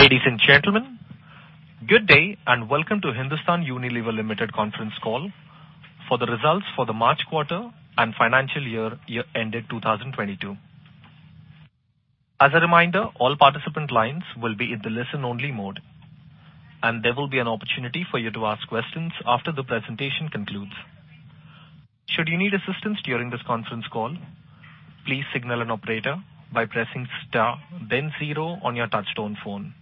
Ladies and gentlemen, good day, and welcome to Hindustan Unilever Limited Conference Call for the results for the March Quarter and Financial Year ended 2022. As a reminder, all participant lines will be in the listen-only mode, and there will be an opportunity for you to ask questions after the presentation concludes. Should you need assistance during this conference call, please signal an operator by pressing star then zero on your touchtone phone.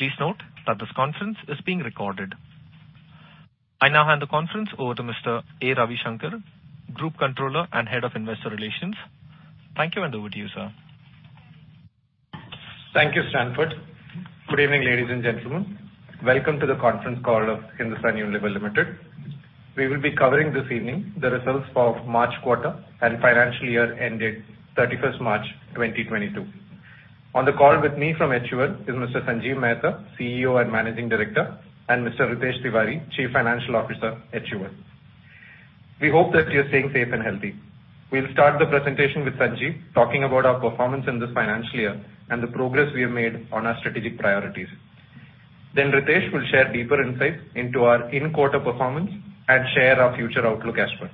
Please note that this conference is being recorded. I now hand the conference over to Mr. A. Ravishankar, Group Finance Controller and Head of Investor Relations. Thank you, and over to you, sir. Thank you, Stanford. Good evening, ladies and gentlemen. Welcome to the Conference Call of Hindustan Unilever Limited. We will be covering this evening the results for March Quarter and Financial Year ended 31st March 2022. On the call with me from HUL is Mr. Sanjiv Mehta, CEO and Managing Director, and Mr. Ritesh Tiwari, Chief Financial Officer, HUL. We hope that you're staying safe and healthy. We'll start the presentation with Sanjiv talking about our performance in this financial year and the progress we have made on our strategic priorities. Then Ritesh will share deeper insights into our in-quarter performance and share our future outlook as well.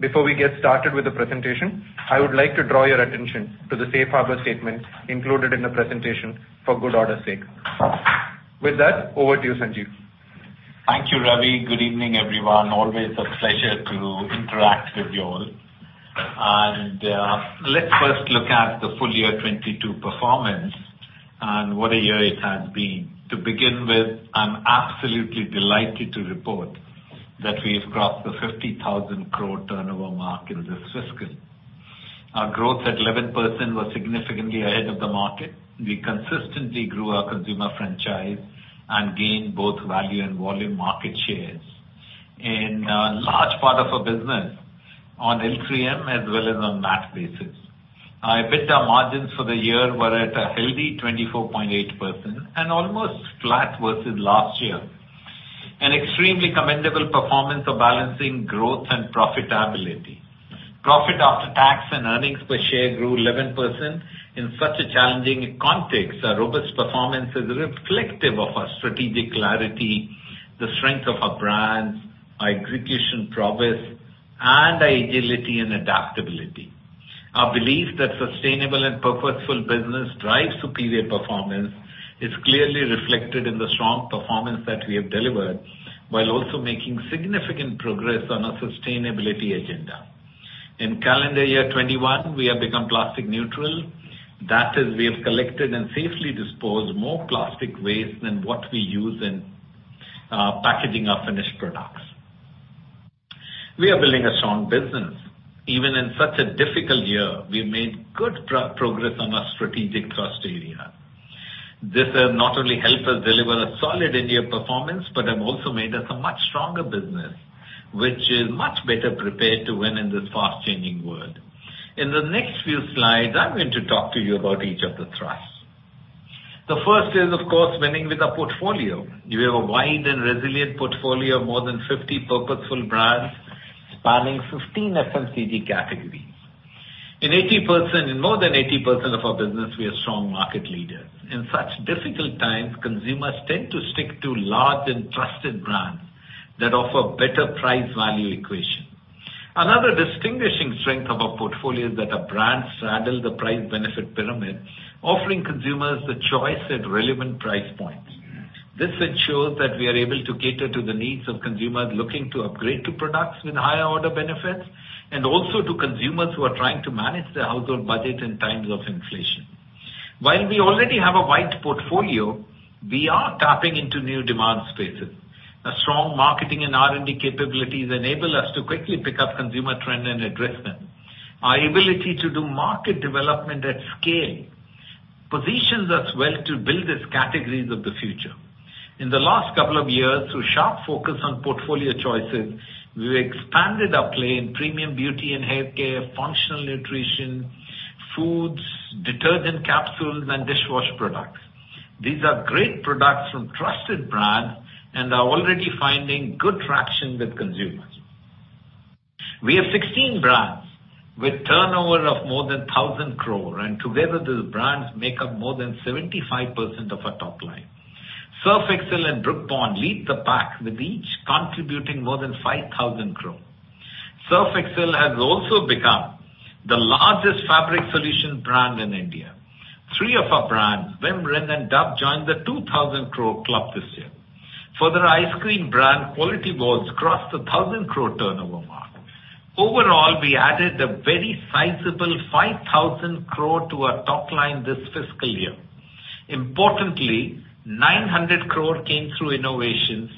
Before we get started with the presentation, I would like to draw your attention to the safe harbor statement included in the presentation for good order sake. With that, over to you, Sanjiv. Thank you, Ravi. Good evening, everyone. Always a pleasure to interact with you all. Let's first look at the FY 2022 performance and what a year it has been. To begin with, I'm absolutely delighted to report that we have crossed the 50,000 crore turnover mark in this fiscal. Our growth at 11% was significantly ahead of the market. We consistently grew our consumer franchise and gained both value and volume market shares in a large part of our business on L3M as well as on MAT basis. Our EBITDA margins for the year were at a healthy 24.8% and almost flat versus last year. An extremely commendable performance of balancing growth and profitability. Profit after Tax and earnings per share grew 11%. In such a challenging context, our robust performance is reflective of our strategic clarity, the strength of our brands, our execution prowess, and our agility and adaptability. Our belief that sustainable and purposeful business drives superior performance is clearly reflected in the strong performance that we have delivered, while also making significant progress on our sustainability agenda. In calendar year 2021, we have become plastic neutral. That is, we have collected and safely disposed more plastic waste than what we use in packaging our finished products. We are building a strong business. Even in such a difficult year, we made good progress on our strategic thrust area. This has not only helped us deliver a solid India performance, but have also made us a much stronger business, which is much better prepared to win in this fast-changing world. In the next few slides, I'm going to talk to you about each of the thrusts. The first is, of course, winning with our portfolio. We have a wide and resilient portfolio of more than 50 purposeful brands spanning 15 FMCG categories. In more than 80% of our business, we are strong market leaders. In such difficult times, consumers tend to stick to large and trusted brands that offer better price-value equation. Another distinguishing strength of our portfolio is that our brands straddle the price-benefit pyramid, offering consumers the choice at relevant price points. This ensures that we are able to cater to the needs of consumers looking to upgrade to products with higher order benefits, and also to consumers who are trying to manage their household budget in times of inflation. While we already have a wide portfolio, we are tapping into new demand spaces. A strong marketing and R&D capabilities enable us to quickly pick up consumer trend and address them. Our ability to do market development at scale, positions us well to build these categories of the future. In the last couple of years, through sharp focus on portfolio choices, we've expanded our play in premium beauty and hair care, functional nutrition, foods, detergent capsules and dishwash products. These are great products from trusted brands and are already finding good traction with consumers. We have 16 brands with turnover of more than 1,000 crore, and together those brands make up more than 75% of our top line. Surf Excel and Brooke Bond lead the pack, with each contributing more than 5,000 crore. Surf Excel has also become the largest fabric solution brand in India. Three of our brands, Vim, Rin and Dove, joined the 2,000 crore club this year. Further, ice cream brand Kwality Wall's crossed the 1,000 crore turnover mark. Overall, we added a very sizable 5,000 crore to our top line this fiscal year. Importantly, 900 crore came through innovations,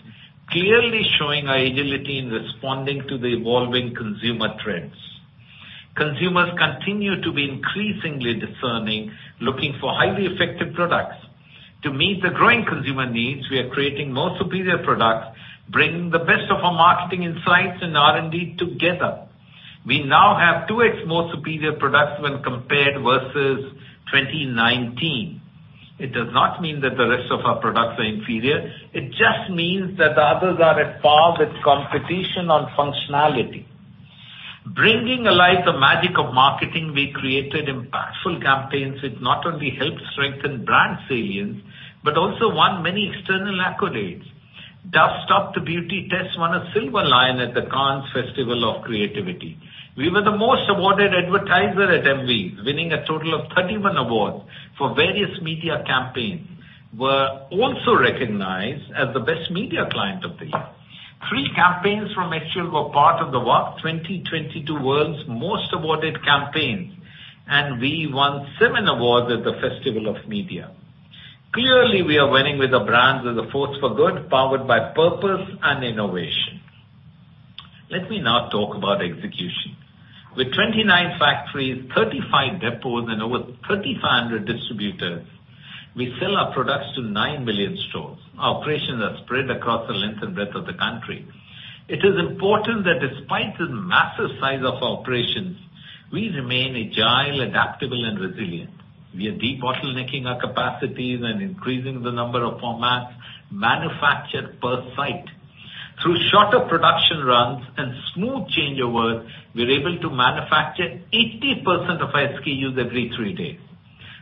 clearly showing our agility in responding to the evolving consumer trends. Consumers continue to be increasingly discerning, looking for highly effective products. To meet the growing consumer needs, we are creating more superior products, bringing the best of our marketing insights and R&D together. We now have 2x more superior products when compared versus 2019. It does not mean that the rest of our products are inferior. It just means that the others are at par with competition on functionality. Bringing alive the magic of marketing, we created impactful campaigns which not only helped strengthen brand salience, but also won many external accolades. Dove Stop the Beauty Test won a Silver Lion at the Cannes Festival of Creativity. We were the most awarded advertiser at EMVIES, winning a total of 31 awards for various media campaigns. We're also recognized as the Best Media Client of the Year. Three campaigns from HUL were part of the WARC 2022 World's Most Awarded Campaigns, and we won 7 awards at the Festival of Media. Clearly, we are winning with the brands as a force for good, powered by purpose and innovation. Let me now talk about execution. With 29 factories, 35 depots and over 3,500 distributors, we sell our products to 9 million stores. Our operations are spread across the length and breadth of the country. It is important that despite the massive size of operations, we remain agile, adaptable and resilient. We are de-bottlenecking our capacities and increasing the number of formats manufactured per site. Through shorter production runs and smooth changeovers, we are able to manufacture 80% of our SKUs every three days.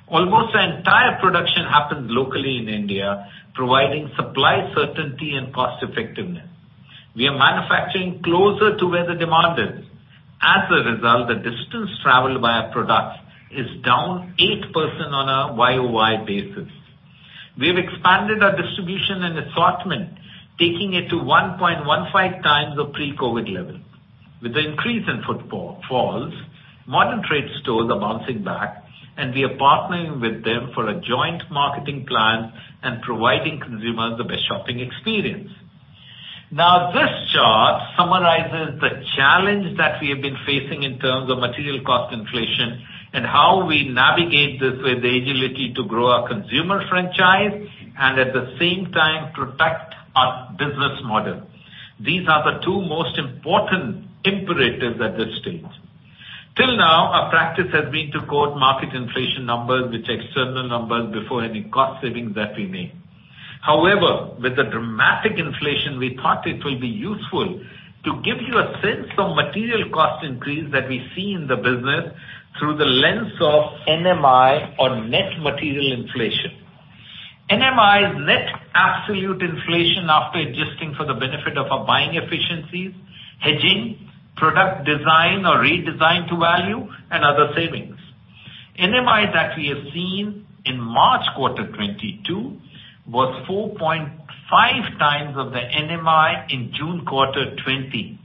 Almost our entire production happens locally in India, providing supply certainty and cost effectiveness. We are manufacturing closer to where the demand is. As a result, the distance traveled by our products is down 8% on a YOY basis. We have expanded our distribution and assortment, taking it to 1.15 times the pre-COVID level. With the increase in footfalls, modern trade stores are bouncing back, and we are partnering with them for a joint marketing plan and providing consumers the best shopping experience. Now this chart summarizes the challenge that we have been facing in terms of material cost inflation and how we navigate this with the agility to grow our consumer franchise and at the same time protect our business model. These are the two most important imperatives at this stage. Till now, our practice has been to quote market inflation numbers with external numbers before any cost savings that we make. However, with the dramatic inflation, we thought it will be useful to give you a sense of material cost increase that we see in the business through the lens of NMI or Net Material Inflation. NMI is net absolute inflation after adjusting for the benefit of our buying efficiencies, hedging, product design or redesign to value and other savings. NMI that we have seen in March quarter 2022 was 4.5 times of the NMI in June quarter 2020.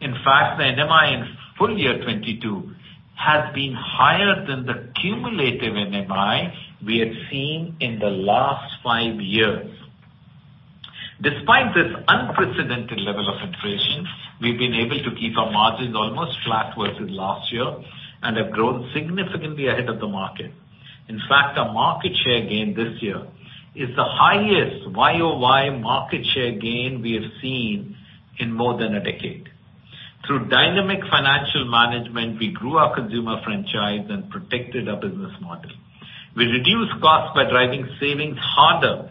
In fact, the NMI in FY 2022 has been higher than the cumulative NMI we have seen in the last five years. Despite this unprecedented level of inflation, we've been able to keep our margins almost flat versus last year and have grown significantly ahead of the market. In fact, our market share gain this year is the highest YOY market share gain we have seen in more than a decade. Through Dynamic Financial Management, we grew our consumer franchise and protected our business model. We reduced costs by driving savings harder,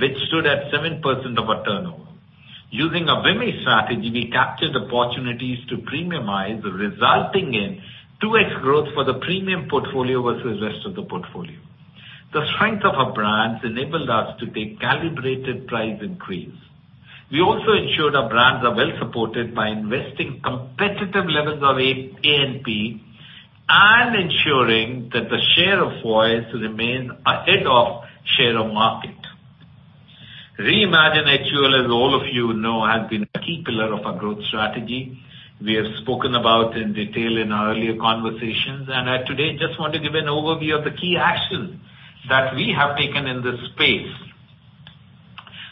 which stood at 7% of our turnover. Using a WiMI strategy, we captured opportunities to premiumize, resulting in 2x growth for the premium portfolio versus rest of the portfolio. The strength of our brands enabled us to take calibrated price increase. We also ensured our brands are well supported by investing competitive levels of A&P and ensuring that the share of voice remains ahead of share of market. Reimagine HUL, as all of you know, has been a key pillar of our growth strategy. We have spoken about in detail in our earlier conversations, and today just want to give an overview of the key actions that we have taken in this space.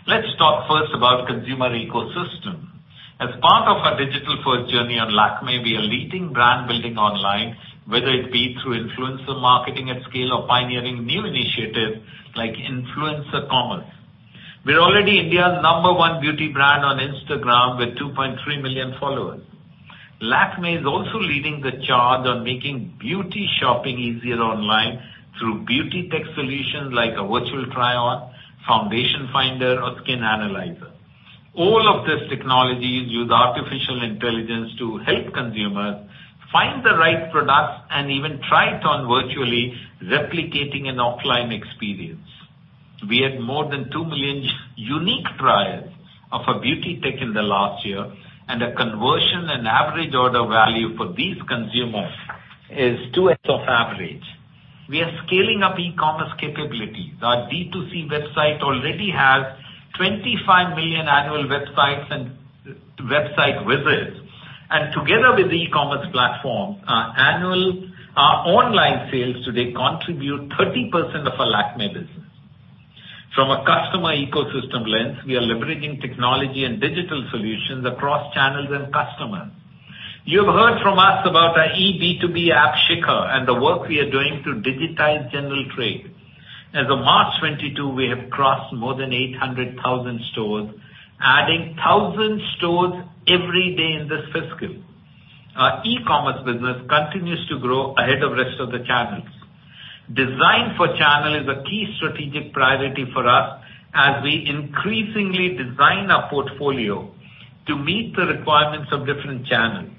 Let's talk first about consumer ecosystem. As part of our digital first journey on Lakmé, we are leading brand building online, whether it be through influencer marketing at scale or pioneering new initiatives like Influencer Commerce. We're already India's number one beauty brand on Instagram with 2.3 million followers. Lakmé is also leading the charge on making beauty shopping easier online through beauty tech solutions like a virtual try-on, foundation finder or skin analyzer. All of these technologies use artificial intelligence to help consumers find the right products and even try it on virtually replicating an offline experience. We had more than 2 million unique trials of our beauty tech in the last year, and the conversion and average order value for these consumers is 2x of average. We are scaling up e-commerce capabilities. Our D2C website already has 25 million annual websites and website visits. Together with the e-commerce platform, our annual, our online sales today contribute 30% of our Lakmé business. From a customer ecosystem lens, we are leveraging technology and digital solutions across channels and customers. You have heard from us about our eB2B app, Shikhar, and the work we are doing to digitize general trade. As of March 2022, we have crossed more than 800,000 stores, adding 1,000 stores every day in this fiscal. Our e-commerce business continues to grow ahead of the rest of the channels. Design for Channel is a key strategic priority for us as we increasingly design our portfolio to meet the requirements of different channels.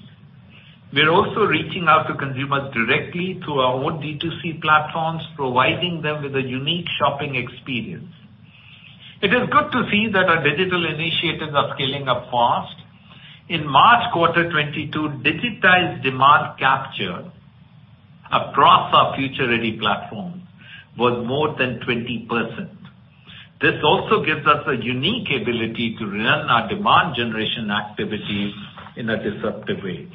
We're also reaching out to consumers directly through our own D2C platforms, providing them with a unique shopping experience. It is good to see that our digital initiatives are scaling up fast. In March quarter 2022, digitized demand capture across our future-ready platforms was more than 20%. This also gives us a unique ability to run our demand generation activities in a disruptive way.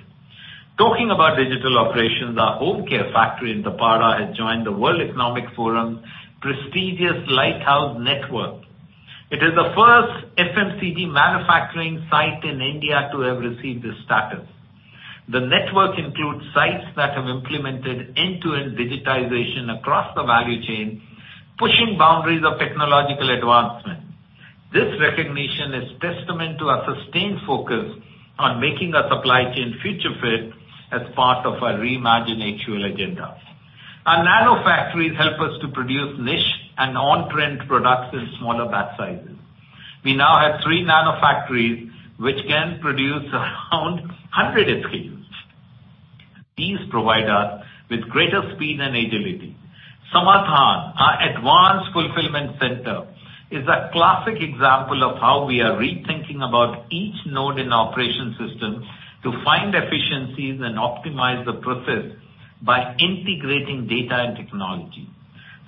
Talking about digital operations, our home care factory in Dapada has joined the World Economic Forum's prestigious Global Lighthouse Network. It is the first FMCG manufacturing site in India to have received this status. The network includes sites that have implemented end-to-end digitization across the value chain, pushing boundaries of technological advancement. This recognition is testament to our sustained focus on making our supply chain future fit as part of our Reimagine HUL agenda. Our nano factories help us to produce niche and on-trend products in smaller batch sizes. We now have three nano factories which can produce around 100 SKUs. These provide us with greater speed and agility. Samadhan, our Advanced Fulfillment Center, is a classic example of how we are rethinking about each node in our operation system to find efficiencies and optimize the process by integrating data and technology.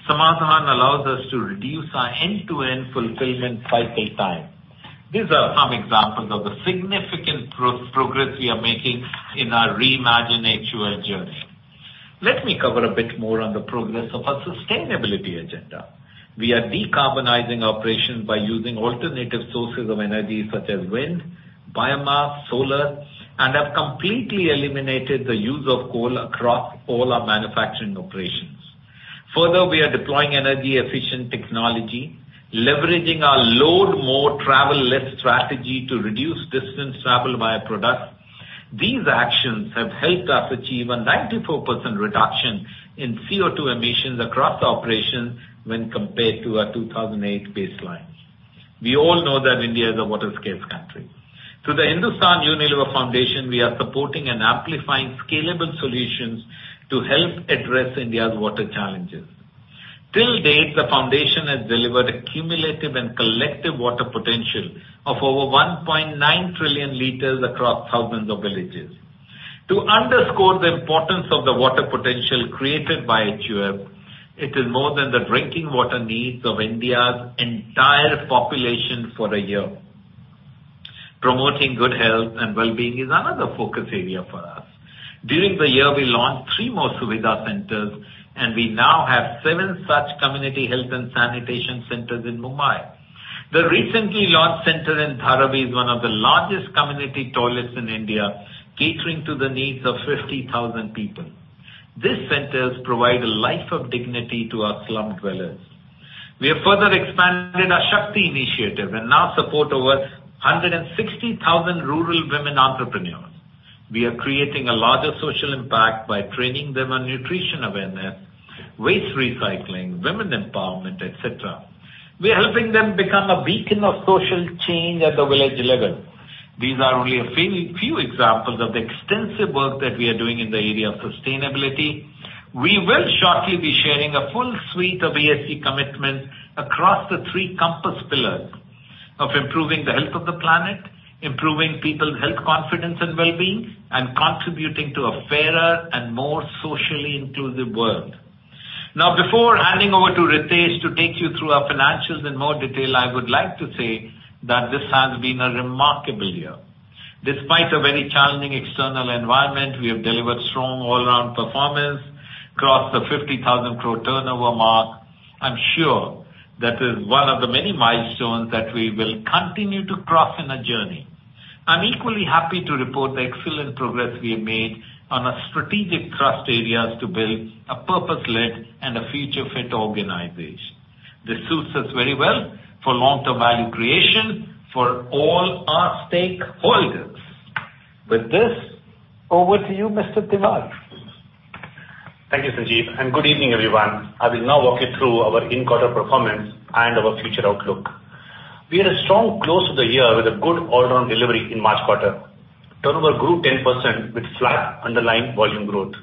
Samadhan allows us to reduce our end-to-end fulfillment cycle time. These are some examples of the significant progress we are making in our Reimagine HUL journey. Let me cover a bit more on the progress of our sustainability agenda. We are decarbonizing operations by using alternative sources of energy, such as wind, biomass, solar, and have completely eliminated the use of coal across all our manufacturing operations. Further, we are deploying energy efficient technology, leveraging our load more, travel less strategy to reduce distance traveled by our products. These actions have helped us achieve a 94% reduction in CO2 emissions across operations when compared to our 2008 baseline. We all know that India is a water-scarce country. Through the Hindustan Unilever Foundation, we are supporting and amplifying scalable solutions to help address India's water challenges. Till date, the foundation has delivered a cumulative and collective water potential of over 1.9 trillion liters across thousands of villages. To underscore the importance of the water potential created by HUF, it is more than the drinking water needs of India's entire population for a year. Promoting good health and well-being is another focus area for us. During the year, we launched three more Suvidha centers, and we now have seven such Community Health and Sanitation Centers in Mumbai. The recently launched center in Dharavi is one of the largest community toilets in India, catering to the needs of 50,000 people. These centers provide a life of dignity to our slum dwellers. We have further expanded our Shakti initiative and now support over 160,000 rural women entrepreneurs. We are creating a larger social impact by training them on nutrition awareness, waste recycling, women empowerment, et cetera. We are helping them become a beacon of social change at the village level. These are only a few examples of the extensive work that we are doing in the area of sustainability. We will shortly be sharing a full suite of ESG commitments across the three compass pillars of improving the health of the planet, improving people's health confidence and wellbeing, and contributing to a fairer and more socially inclusive world. Now, before handing over to Ritesh Tiwari to take you through our financials in more detail, I would like to say that this has been a remarkable year. Despite a very challenging external environment, we have delivered strong all around performance, crossed the 50,000 crore turnover mark. I'm sure that is one of the many milestones that we will continue to cross in our journey. I'm equally happy to report the excellent progress we have made on our strategic trust areas to build a purpose-led and a future fit organization. This suits us very well for long-term value creation for all our stakeholders. With this, over to you, Mr. Tiwari. Thank you, Sanjiv, and good evening, everyone. I will now walk you through our in-quarter performance and our future outlook. We had a strong close to the year with a good all around delivery in March quarter. Turnover grew 10% with flat underlying volume growth.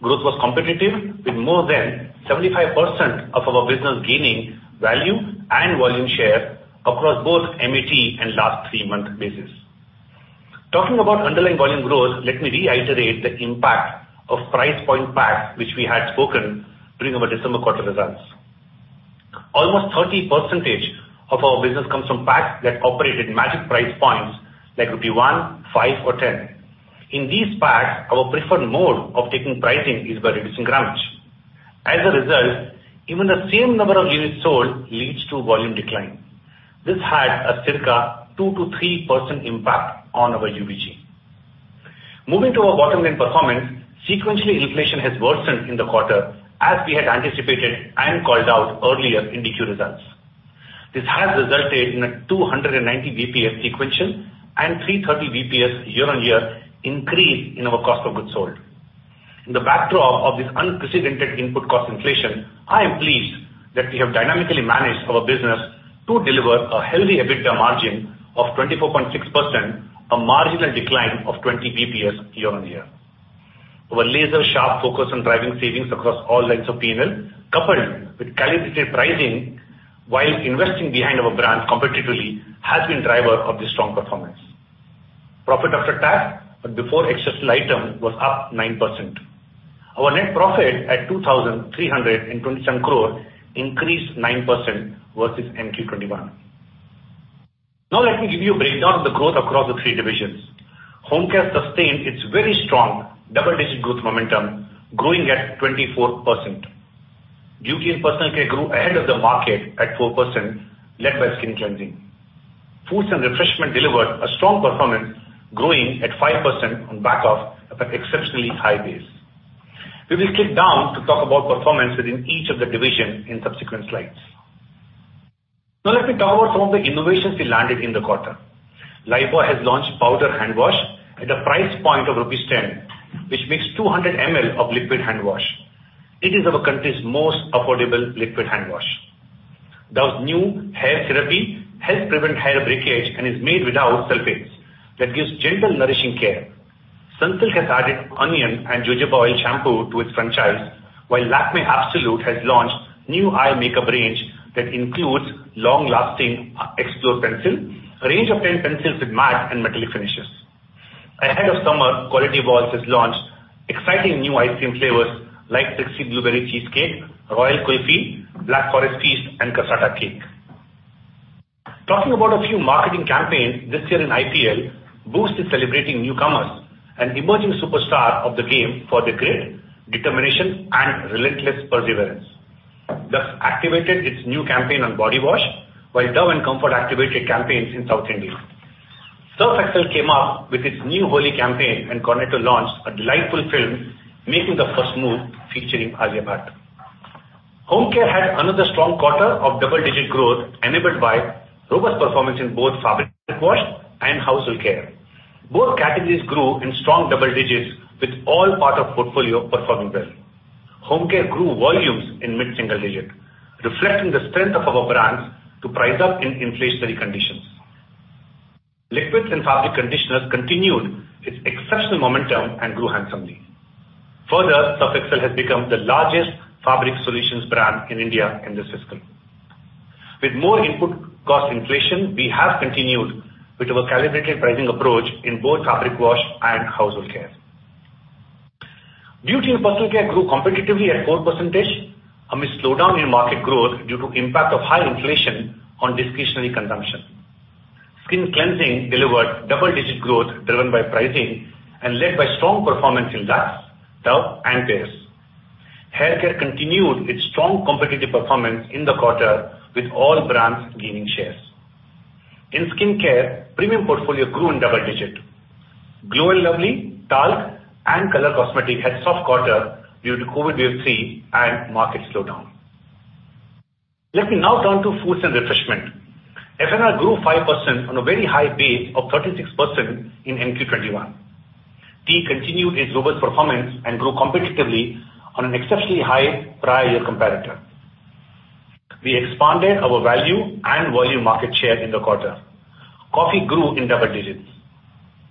Growth was competitive with more than 75% of our business gaining value and volume share across both MAT and last three-month basis. Talking about underlying volume growth, let me reiterate the impact of price point packs which we had spoken during our December quarter results. Almost 30% of our business comes from packs that operate in magic price points like rupee 1, 5, or 10. In these packs, our preferred mode of taking pricing is by reducing grammage. As a result, even the same number of units sold leads to volume decline. This had a circa 2%-3% impact on our UVG. Moving to our bottom line performance, sequentially inflation has worsened in the quarter as we had anticipated and called out earlier in the Q results. This has resulted in a 290 basis points sequential and 330 basis points year-on-year increase in our cost of goods sold. In the backdrop of this unprecedented input cost inflation, I am pleased that we have dynamically managed our business to deliver a healthy EBITDA margin of 24.6%, a marginal decline of 20 basis points year-on-year. Our laser-sharp focus on driving savings across all lines of P&L, coupled with calibrated pricing while investing behind our brands competitively, has been driver of this strong performance. Profit after Tax but before exceptional item was up 9%. Our net profit of 2,327 crore increased 9% versus MQ 2021. Now let me give you a breakdown of the growth across the three divisions. Home Care sustained its very strong double-digit growth momentum, growing at 24%. Beauty and Personal Care grew ahead of the market at 4%, led by skin cleansing. Foods and Refreshment delivered a strong performance, growing at 5% on back of an exceptionally high base. We will skip down to talk about performance within each of the division in subsequent slides. Now let me talk about some of the innovations we landed in the quarter. Lifebuoy has launched powder hand wash at a price point of 10 rupees, which makes 200 ml of liquid hand wash. It is our country's most affordable liquid hand wash. Dove's new hair therapy helps prevent hair breakage and is made without sulfates. That gives gentle nourishing care. Sunsilk has added onion and jojoba oil shampoo to its franchise, while Lakmé Absolute has launched new eye makeup range that includes long-lasting explore pencil, a range of pen pencils with matte and metallic finishes. Ahead of summer, Kwality Wall's has launched exciting new ice cream flavors like Trixy Blueberry Cheesecake, Royal Kulfi, Black Forest Feast, and Cassata Cake. Talking about a few marketing campaigns this year in IPL, Boost is celebrating newcomers and emerging superstar of the game for their grit, determination, and relentless perseverance. Lux activated its new campaign on body wash while Dove and Comfort activated campaigns in South India. Surf Excel came up with its new Holi campaign and Cornetto to launch a delightful film, Making the First Move, featuring Alia Bhatt. Home Care had another strong quarter of double-digit growth enabled by robust performance in both fabric wash and household care. Both categories grew in strong double digits with all part of portfolio performing well. Home Care grew volumes in mid-single digit, reflecting the strength of our brands to price up in inflationary conditions. Liquids and fabric conditioners continued its exceptional momentum and grew handsomely. Further, Surf Excel has become the largest fabric solutions brand in India in this fiscal. With more input cost inflation, we have continued with our calibrated pricing approach in both fabric wash and household care. Beauty and personal care grew competitively at 4% amid slowdown in market growth due to impact of high inflation on discretionary consumption. Skin cleansing delivered double-digit growth driven by pricing and led by strong performance in Lux, Dove, and Fair & Lovely. Hair care continued its strong competitive performance in the quarter with all brands gaining shares. In skin care, premium portfolio grew in double-digit. Glow & Lovely, Talc, and color cosmetic had soft quarter due to COVID wave three and market slowdown. Let me now turn to foods and refreshment. F&R grew 5% on a very high base of 36% in MQ 2021. Tea continued its robust performance and grew competitively on an exceptionally high prior year comparator. We expanded our value and volume market share in the quarter. Coffee grew in double digits.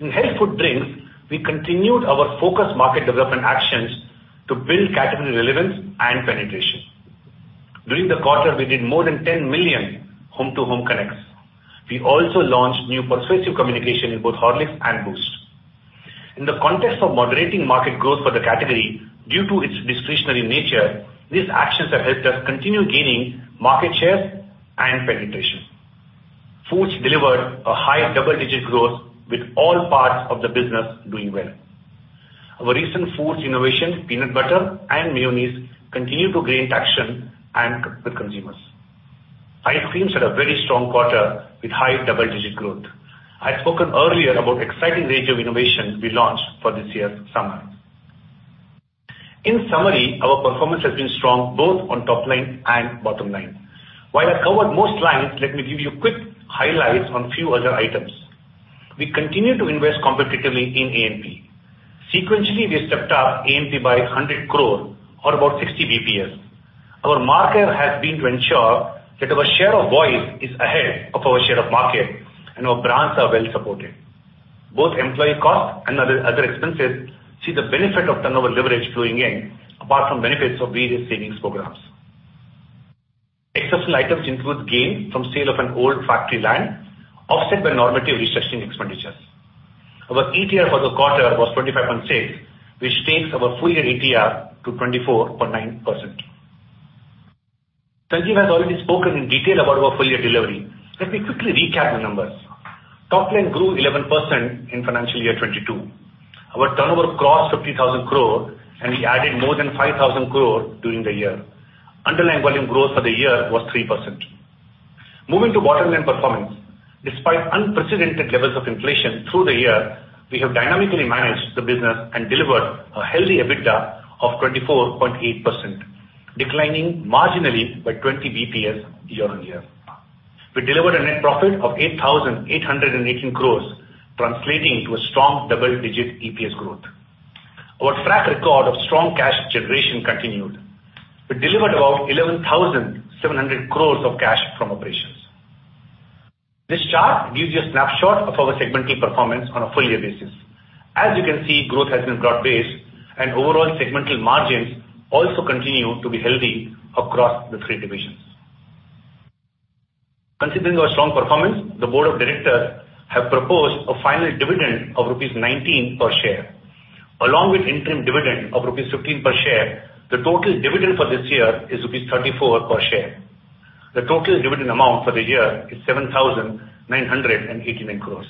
In health food drinks, we continued our focused market development actions to build category relevance and penetration. During the quarter, we did more than 10 million home-to-home connects. We also launched new persuasive communication in both Horlicks and Boost. In the context of moderating market growth for the category due to its discretionary nature, these actions have helped us continue gaining market shares and penetration. Foods delivered a high double-digit growth with all parts of the business doing well. Our recent foods innovation, peanut butter and mayonnaise, continue to gain traction and with consumers. Ice creams had a very strong quarter with high double-digit growth. I'd spoken earlier about exciting range of innovations we launched for this year's summer. In summary, our performance has been strong both on top line and bottom line. While I covered most lines, let me give you quick highlights on few other items. We continue to invest competitively in A&P. Sequentially, we stepped up A&P by 100 crore or about 60 basis points. Our marker has been to ensure that our share of voice is ahead of our share of market and our brands are well supported. Both employee costs and other expenses see the benefit of turnover leverage going in, apart from benefits of various savings programs. Exceptional items include gain from sale of an old factory land offset by non-recurring restructuring expenditures. Our ETR for the quarter was 25.6%, which takes our FY ETR to 24.9%. Sanjiv has already spoken in detail about our full year delivery. Let me quickly recap the numbers. Top line grew 11% in financial year 2022. Our turnover crossed 50,000 crore, and we added more than 5,000 crore during the year. Underlying volume growth for the year was 3%. Moving to bottom line performance. Despite unprecedented levels of inflation through the year, we have dynamically managed the business and delivered a healthy EBITDA of 24.8%, declining marginally by 20 basis points year-on-year. We delivered a net profit of 8,818 crores, translating to a strong double-digit EPS growth. Our track record of strong cash generation continued. We delivered about 11,700 crores of cash from operations. This chart gives you a snapshot of our segmental performance on a FY basis. As you can see, growth has been broad-based and overall segmental margins also continue to be healthy across the three divisions. Considering our strong performance, the Board of Directors have proposed a final dividend of rupees 19 per share. Along with interim dividend of rupees 15 per share, the total dividend for this year is rupees 34 per share. The total dividend amount for the year is 7,989 crores.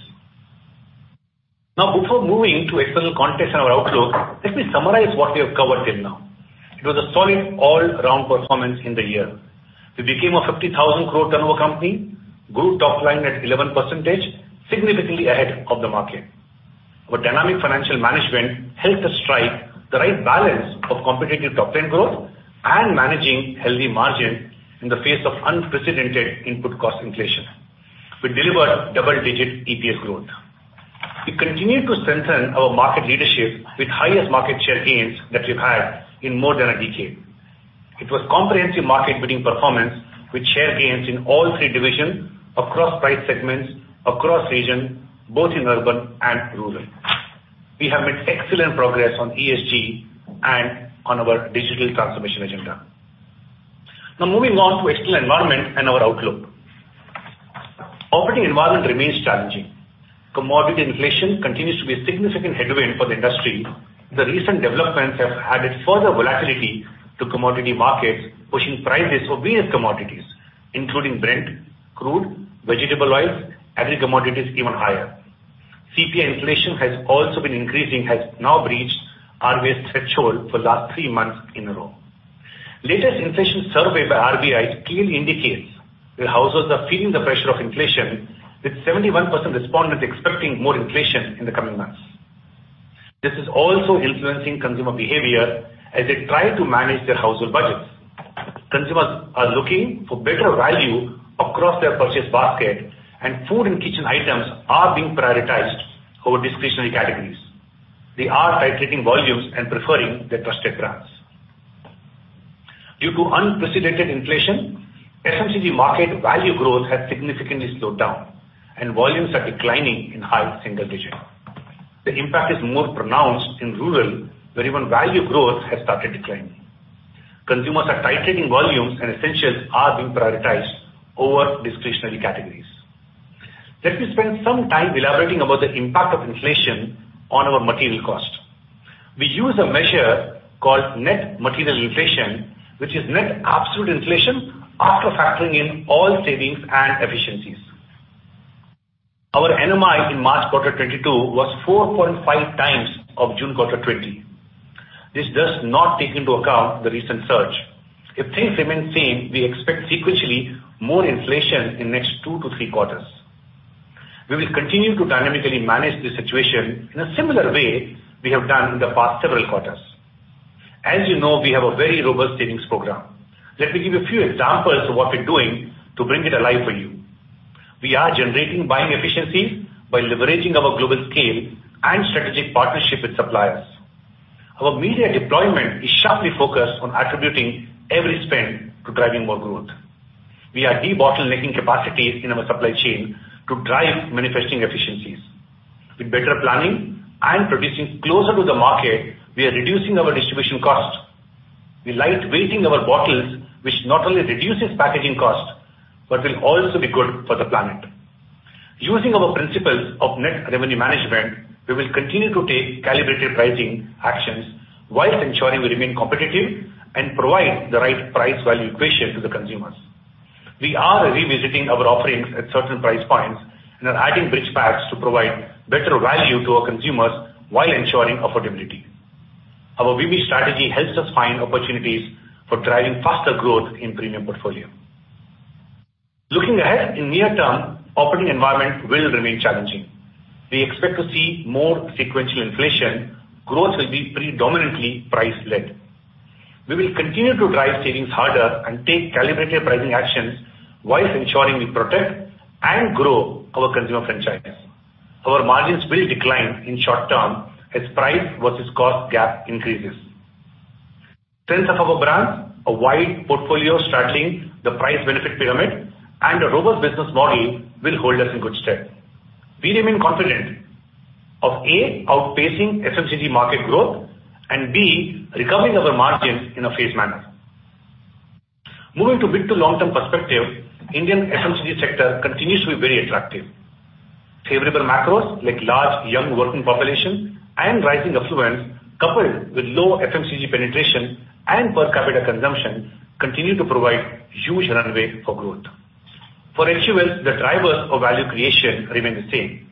Now, before moving to external context and our outlook, let me summarize what we have covered till now. It was a solid all-round performance in the year. We became a 50,000 crore turnover company, grew top line at 11%, significantly ahead of the market. Our dynamic financial management helped us strike the right balance of competitive top line growth and managing healthy margin in the face of unprecedented input cost inflation. We delivered double-digit EPS growth. We continued to strengthen our market leadership with highest market share gains that we've had in more than a decade. It was comprehensive market-beating performance with share gains in all three divisions across price segments, across region, both in urban and rural. We have made excellent progress on ESG and on our digital transformation agenda. Now moving on to external environment and our outlook. Operating environment remains challenging. Commodity inflation continues to be a significant headwind for the industry. The recent developments have added further volatility to commodity markets, pushing prices for various commodities, including Brent crude, vegetable oils, agri commodities even higher. CPI inflation has also been increasing, has now breached RBI's threshold for last three months in a row. Latest inflation survey by RBI clearly indicates that households are feeling the pressure of inflation, with 71% respondents expecting more inflation in the coming months. This is also influencing consumer behavior as they try to manage their household budgets. Consumers are looking for better value across their purchase basket, and food and kitchen items are being prioritized over discretionary categories. They are titrating volumes and preferring their trusted brands. Due to unprecedented inflation, FMCG market value growth has significantly slowed down, and volumes are declining in high single digit. The impact is more pronounced in rural, where even value growth has started declining. Consumers are titrating volumes, and essentials are being prioritized over discretionary categories. Let me spend some time elaborating about the impact of inflation on our material cost. We use a measure called Net Material Inflation, which is net absolute inflation after factoring in all savings and efficiencies. Our NMI in March quarter 2022 was 4.5 times of June quarter 2020. This does not take into account the recent surge. If things remain same, we expect sequentially more inflation in next two to three quarters. We will continue to dynamically manage the situation in a similar way we have done in the past several quarters. As you know, we have a very robust savings program. Let me give a few examples of what we're doing to bring it alive for you. We are generating buying efficiencies by leveraging our global scale and strategic partnership with suppliers. Our media deployment is sharply focused on attributing every spend to driving more growth. We are de-bottlenecking capacities in our supply chain to drive manufacturing efficiencies. With better planning and producing closer to the market, we are reducing our distribution cost. We're light-weighting our bottles, which not only reduces packaging cost, but will also be good for the planet. Using our principles of net revenue management, we will continue to take calibrated pricing actions while ensuring we remain competitive and provide the right price-value equation to the consumers. We are revisiting our offerings at certain price points and are adding bridge packs to provide better value to our consumers while ensuring affordability. Our WiMI strategy helps us find opportunities for driving faster growth in premium portfolio. Looking ahead, in near term, operating environment will remain challenging. We expect to see more sequential inflation. Growth will be predominantly price-led. We will continue to drive savings harder and take calibrated pricing actions while ensuring we protect and grow our consumer franchise. Our margins will decline in short term as price versus cost gap increases. Strength of our brands, a wide portfolio straddling the price benefit pyramid, and a robust business model will hold us in good stead. We remain confident of, A, outpacing FMCG market growth, and B, recovering our margins in a phased manner. Moving to mid to long-term perspective, Indian FMCG sector continues to be very attractive. Favorable macros, like large young working population and rising affluence, coupled with low FMCG penetration and per capita consumption, continue to provide huge runway for growth. For HUL, the drivers of value creation remain the same.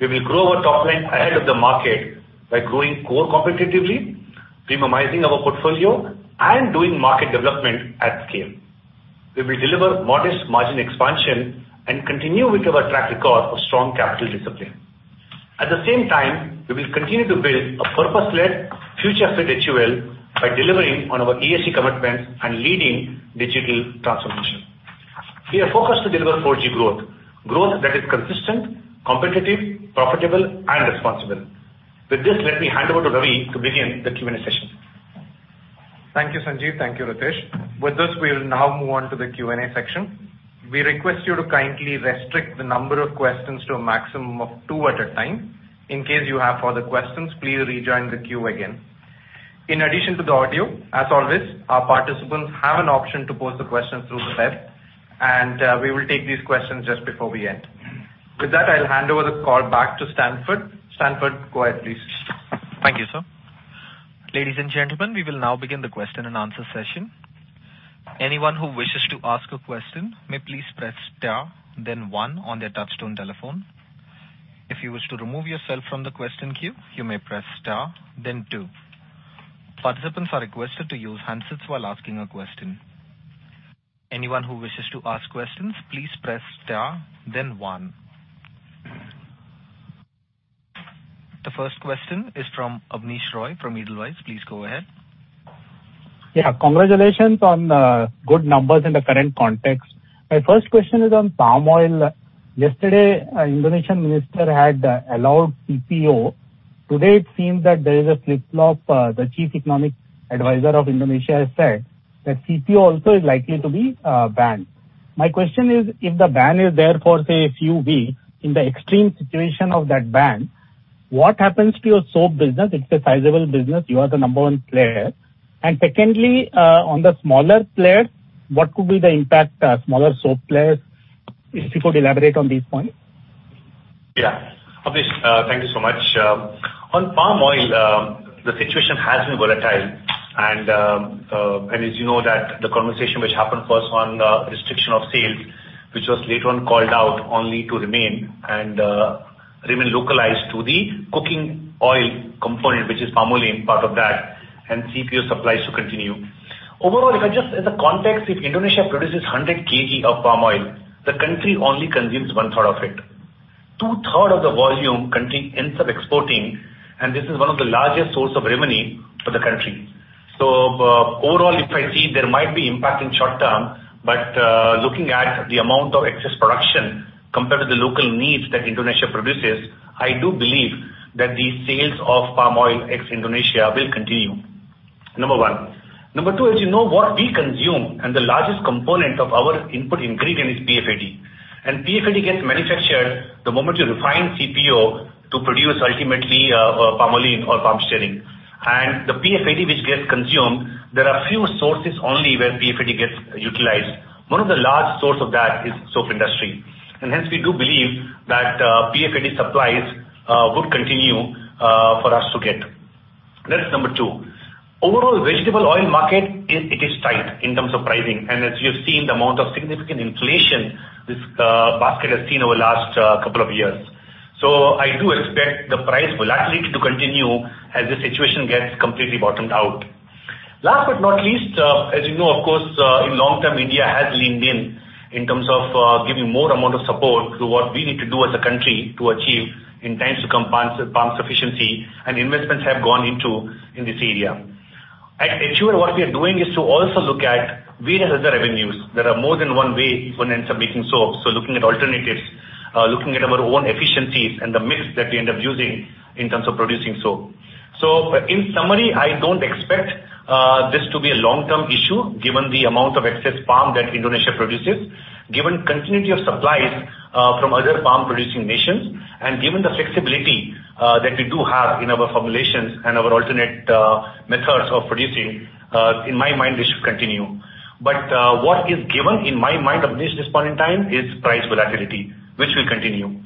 We will grow our top line ahead of the market by growing core competitively, premiumizing our portfolio, and doing market development at scale. We will deliver modest margin expansion and continue with our track record of strong capital discipline. At the same time, we will continue to build a purpose-led future fit HUL by delivering on our ESG commitments and leading digital transformation. We are focused to deliver 4G growth that is consistent, competitive, profitable and responsible. With this, let me hand over to Ravi to begin the Q&A session. Thank you, Sanjiv. Thank you, Ritesh. With this, we will now move on to the Q&A section. We request you to kindly restrict the number of questions to a maximum of two at a time. In case you have further questions, please rejoin the queue again. In addition to the audio, as always, our participants have an option to post the questions through the web, and we will take these questions just before we end. With that, I'll hand over the call back to Stanford. Stanford, go ahead, please. Thank you, sir. Ladies and gentlemen, we will now begin the question and answer session. Anyone who wishes to ask a question may please press star then one on their touchtone telephone. If you wish to remove yourself from the question queue, you may press star then two. Participants are requested to use handsets while asking a question. Anyone who wishes to ask questions, please press star then one. The first question is from Abneesh Roy from Edelweiss. Please go ahead. Yeah, congratulations on good numbers in the current context. My first question is on palm oil. Yesterday, Indonesian Minister had allowed CPO. Today it seems that there is a flip-flop. The Chief Economic Advisor of Indonesia has said that CPO also is likely to be banned. My question is, if the ban is there for, say, a few weeks, in the extreme situation of that ban, what happens to your soap business? It's a sizable business. You are the number one player. Secondly, on the smaller players, what could be the impact on smaller soap players, if you could elaborate on these points? Yeah. Abneesh, thank you so much. On palm oil, the situation has been volatile and as you know that the conversation which happened first on restriction of sales, which was later on called out only to remain and remain localized to the cooking oil component, which is palm olein part of that and CPO supplies to continue. Overall, as a context, if Indonesia produces 100 kg of palm oil, the country only consumes 1/3 of it. Two-thirds of the volume country ends up exporting, and this is one of the largest source of revenue for the country. Overall, if I see there might be impact in short term, but, looking at the amount of excess production compared to the local needs that Indonesia produces, I do believe that the sales of palm oil ex Indonesia will continue. Number one. Number two is, you know, what we consume, and the largest component of our input ingredient is PFAD. PFAD gets manufactured the moment you refine CPO to produce ultimately, palm olein or palm stearin. The PFAD which gets consumed, there are few sources only where PFAD gets utilized. One of the large source of that is soap industry. Hence we do believe that, PFAD supplies would continue for us to get. That's number two. Overall vegetable oil market is tight in terms of pricing and as you have seen, the amount of significant inflation this basket has seen over last couple of years. I do expect the price volatility to continue as the situation gets completely bottomed out. Last but not least, as you know, of course, in long term India has leaned in terms of giving more amount of support to what we need to do as a country to achieve in times to come, palm sufficiency and investments have gone into this area. At HUL what we are doing is to also look at various other avenues. There are more than one way one ends up making soap. Looking at alternatives, looking at our own efficiencies and the mix that we end up using in terms of producing soap. In summary, I don't expect this to be a long-term issue given the amount of excess palm that Indonesia produces, given continuity of supplies from other palm producing nations, and given the flexibility that we do have in our formulations and our alternate methods of producing. In my mind, this should continue. What is given in my mind, Abneesh, this point in time is price volatility, which will continue.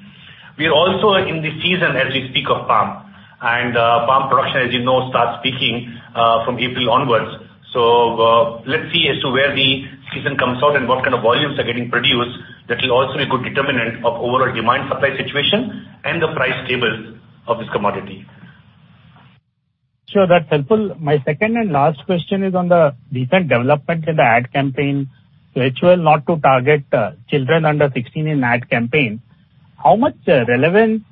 We are also in the season as we speak of palm and palm production. As you know, starts peaking from April onwards. Let's see as to where the season comes out and what kind of volumes are getting produced. That will also be a good determinant of overall demand supply situation and the price tables of this commodity. Sure. That's helpful. My second and last question is on the recent development in the ad campaign, HUL not to target children under 16 in ad campaign. How much relevant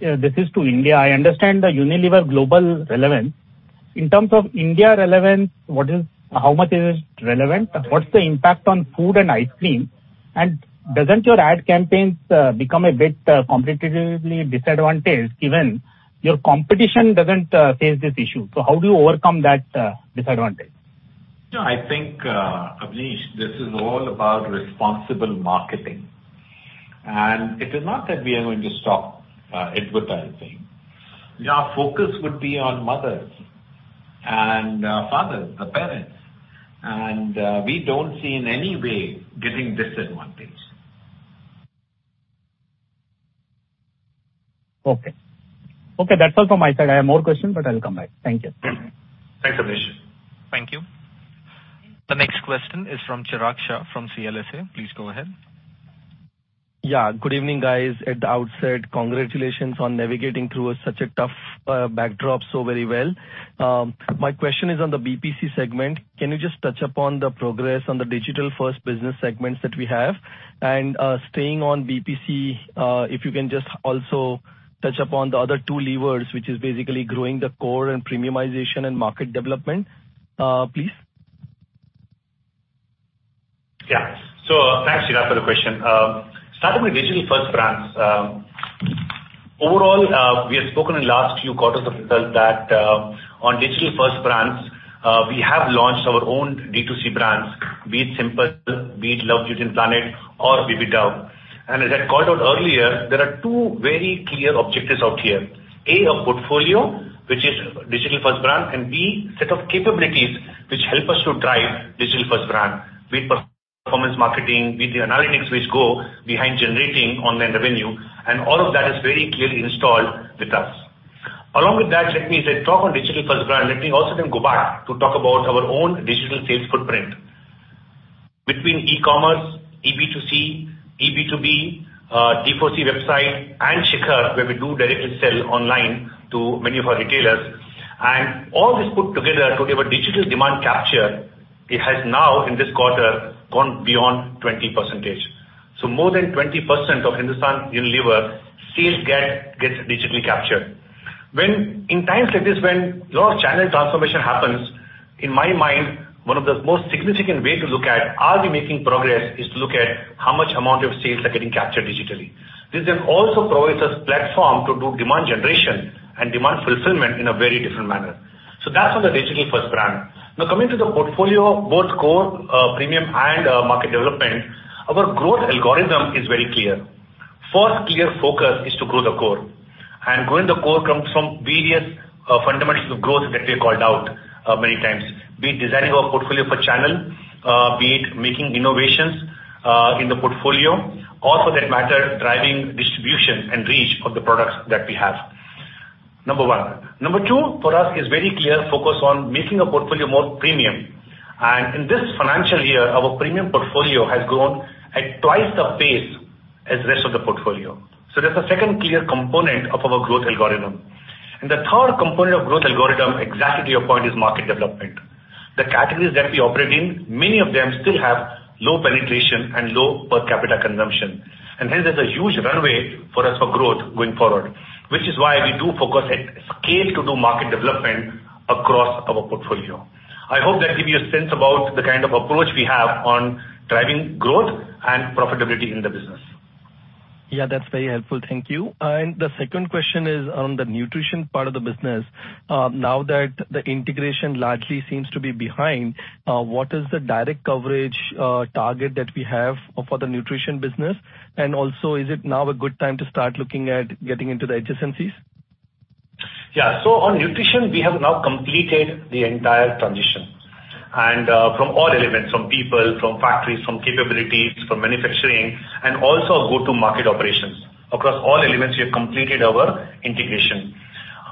this is to India? I understand the Unilever global relevance. In terms of India relevance, how much is it relevant? What's the impact on food and ice cream? And doesn't your ad campaigns become a bit competitively disadvantaged given your competition doesn't face this issue? How do you overcome that disadvantage? No, I think, Abneesh, this is all about responsible marketing, and it is not that we are going to stop, advertising. Our focus would be on mothers and, fathers, the parents. We don't see in any way getting disadvantaged. Okay, that's all from my side. I have more questions, but I will come back. Thank you. Thanks, Abneesh. Thank you. The next question is from Chirag Shah from CLSA. Please go ahead. Yeah. Good evening, guys. At the outset, congratulations on navigating through such a tough backdrop so very well. My question is on the BPC segment. Can you just touch upon the progress on the digital-first business segments that we have? Staying on BPC, if you can just also touch upon the other two levers, which is basically growing the core and premiumization and market development, please. Thanks, Chirag, for the question. Starting with digital-first brands. Overall, we have spoken in last few quarters of results that, on digital-first brands, we have launched our own D2C brands, be it Simple, be it Love, Beauty and Planet, or Baby Dove. As I called out earlier, there are two very clear objectives out here. A, a portfolio which is digital-first brand, and B, set of capabilities which help us to drive digital-first brand. Be it performance marketing, be it the analytics which go behind generating online revenue, and all of that is very clearly installed with us. Along with that, as I talk on digital-first brand, let me also then go back to talk about our own digital sales footprint. Between e-commerce, eB2C, eB2B, D4C website, and Shikhar, where we do directly sell online to many of our retailers. All this put together to give a digital demand capture, it has now, in this quarter, gone beyond 20%. More than 20% of Hindustan Unilever sales gets digitally captured. In times like this when a lot of channel transformation happens, in my mind, one of the most significant way to look at are we making progress, is to look at how much amount of sales are getting captured digitally. This then also provides us platform to do demand generation and demand fulfillment in a very different manner. That's on the digital-first brand. Now coming to the portfolio, both core, premium and, market development, our growth algorithm is very clear. First clear focus is to grow the core. Growing the core comes from various fundamentals of growth that we have called out many times. Be it designing our portfolio for channel, be it making innovations in the portfolio, or for that matter, driving distribution and reach of the products that we have, number one. Number two for us is very clear focus on making a portfolio more premium. In this financial year, our premium portfolio has grown at twice the pace as rest of the portfolio. That's the second clear component of our growth algorithm. The third component of growth algorithm, exactly to your point, is market development. The categories that we operate in, many of them still have low penetration and low per capita consumption. Hence there's a huge runway for us for growth going forward, which is why we do focus at scale to do market development across our portfolio. I hope that give you a sense about the kind of approach we have on driving growth and profitability in the business. Yeah, that's very helpful. Thank you. The second question is on the nutrition part of the business. Now that the integration largely seems to be behind, what is the direct coverage target that we have for the nutrition business? Also, is it now a good time to start looking at getting into the adjacencies? Yeah. On nutrition, we have now completed the entire transition. From all elements, from people, from factories, from capabilities, from manufacturing, and also our go-to-market operations. Across all elements, we have completed our integration.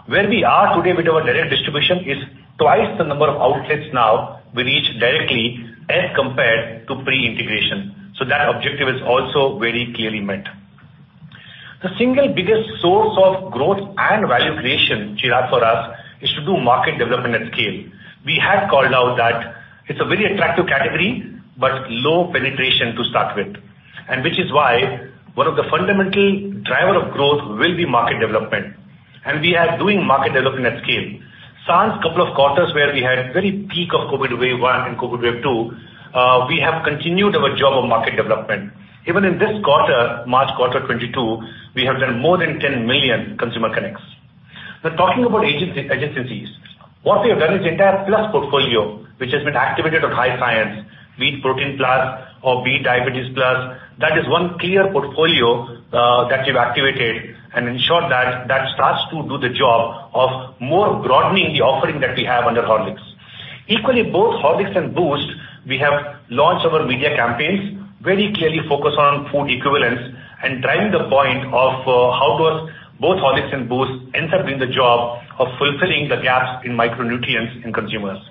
Where we are today with our direct distribution is twice the number of outlets now we reach directly as compared to pre-integration. That objective is also very clearly met. The single biggest source of growth and value creation, Chirag, for us, is to do market development at scale. We have called out that it's a very attractive category, but low penetration to start with, and which is why one of the fundamental driver of growth will be market development. We are doing market development at scale. Sans couple of quarters where we had very peak of COVID wave one and COVID wave two, we have continued our job of market development. Even in this quarter, March quarter 2022, we have done more than 10 million consumer connects. Now talking about again, adjacencies, what we have done is the entire Plus portfolio, which has been activated on high science, be it Protein Plus or be it Diabetes Plus, that is one clear portfolio, that we've activated and ensured that that starts to do the job of more broadening the offering that we have under Horlicks. Equally, both Horlicks and Boost, we have launched our media campaigns, very clearly focused on food equivalents and driving the point of, how does both Horlicks and Boost ends up doing the job of fulfilling the gaps in micronutrients in consumers.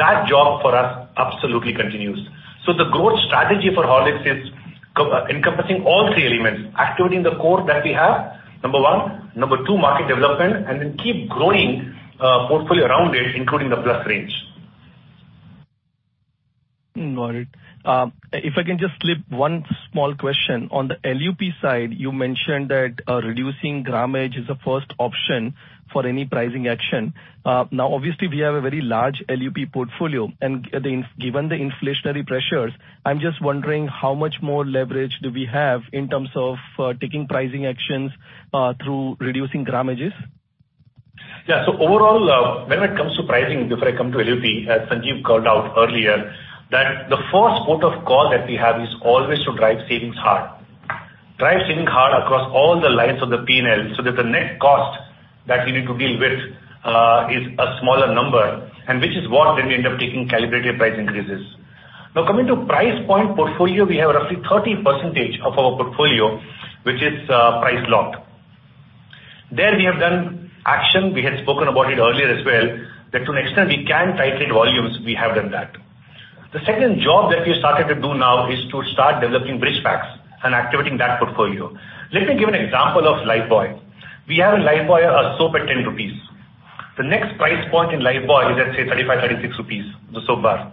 That job for us absolutely continues. The growth strategy for Horlicks is all-encompassing all three elements. Activating the core that we have, number one. Number two, market development, and then keep growing portfolio around it, including the Plus range. Got it. If I can just slip one small question. On the LUP side, you mentioned that, reducing grammage is the first option for any pricing action. Now obviously we have a very large LUP portfolio, and given the inflationary pressures, I'm just wondering how much more leverage do we have in terms of, taking pricing actions, through reducing grammages? Yeah. Overall, when it comes to pricing, before I come to LUP, as Sanjiv called out earlier, that the first port of call that we have is always to drive savings hard. Drive savings hard across all the lines of the P&L so that the net cost that we need to deal with is a smaller number, and which is what when we end up taking calibrated price increases. Now coming to price point portfolio, we have roughly 30% of our portfolio which is price locked. We have done action, we had spoken about it earlier as well, that to an extent we can titrate volumes, we have done that. The second job that we started to do now is to start developing bridge packs and activating that portfolio. Let me give an example of Lifebuoy. We have a Lifebuoy soap at 10 rupees. The next price point in Lifebuoy is at, say 35-36 rupees, the soap bar.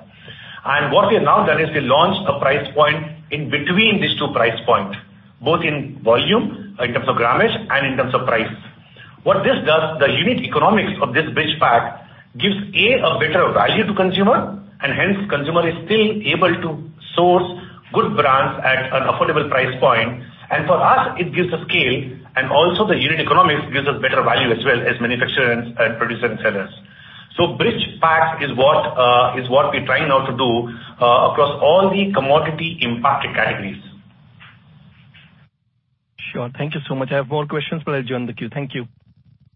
What we've now done is we launched a price point in between these two price point, both in volume, in terms of grammage and in terms of price. What this does, the unit economics of this bridge pack gives, A, a better value to consumer, and hence consumer is still able to source good brands at an affordable price point. For us, it gives a scale and also the unit economics gives us better value as well as manufacturers and producers and sellers. Bridge pack is what we're trying now to do across all the commodity impacted categories. Sure. Thank you so much. I have more questions, but I'll join the queue. Thank you.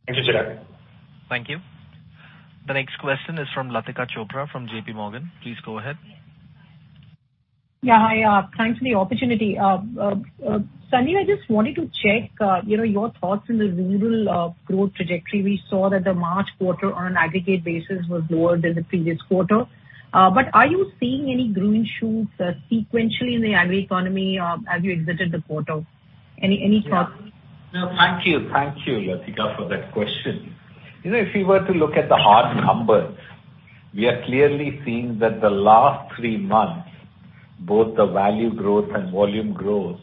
Thank you, Chirag. Thank you. The next question is from Latika Chopra from JPMorgan. Please go ahead. Yeah. Hi. Thanks for the opportunity. Sanjiv, I just wanted to check, you know, your thoughts on the rural growth trajectory. We saw that the March quarter on an aggregate basis was lower than the previous quarter. But are you seeing any green shoots sequentially in the agri economy as you exited the quarter? Any thoughts? Yeah. No, thank you. Thank you, Latika, for that question. You know, if you were to look at the hard numbers, we are clearly seeing that the last three months, both the value growth and volume growth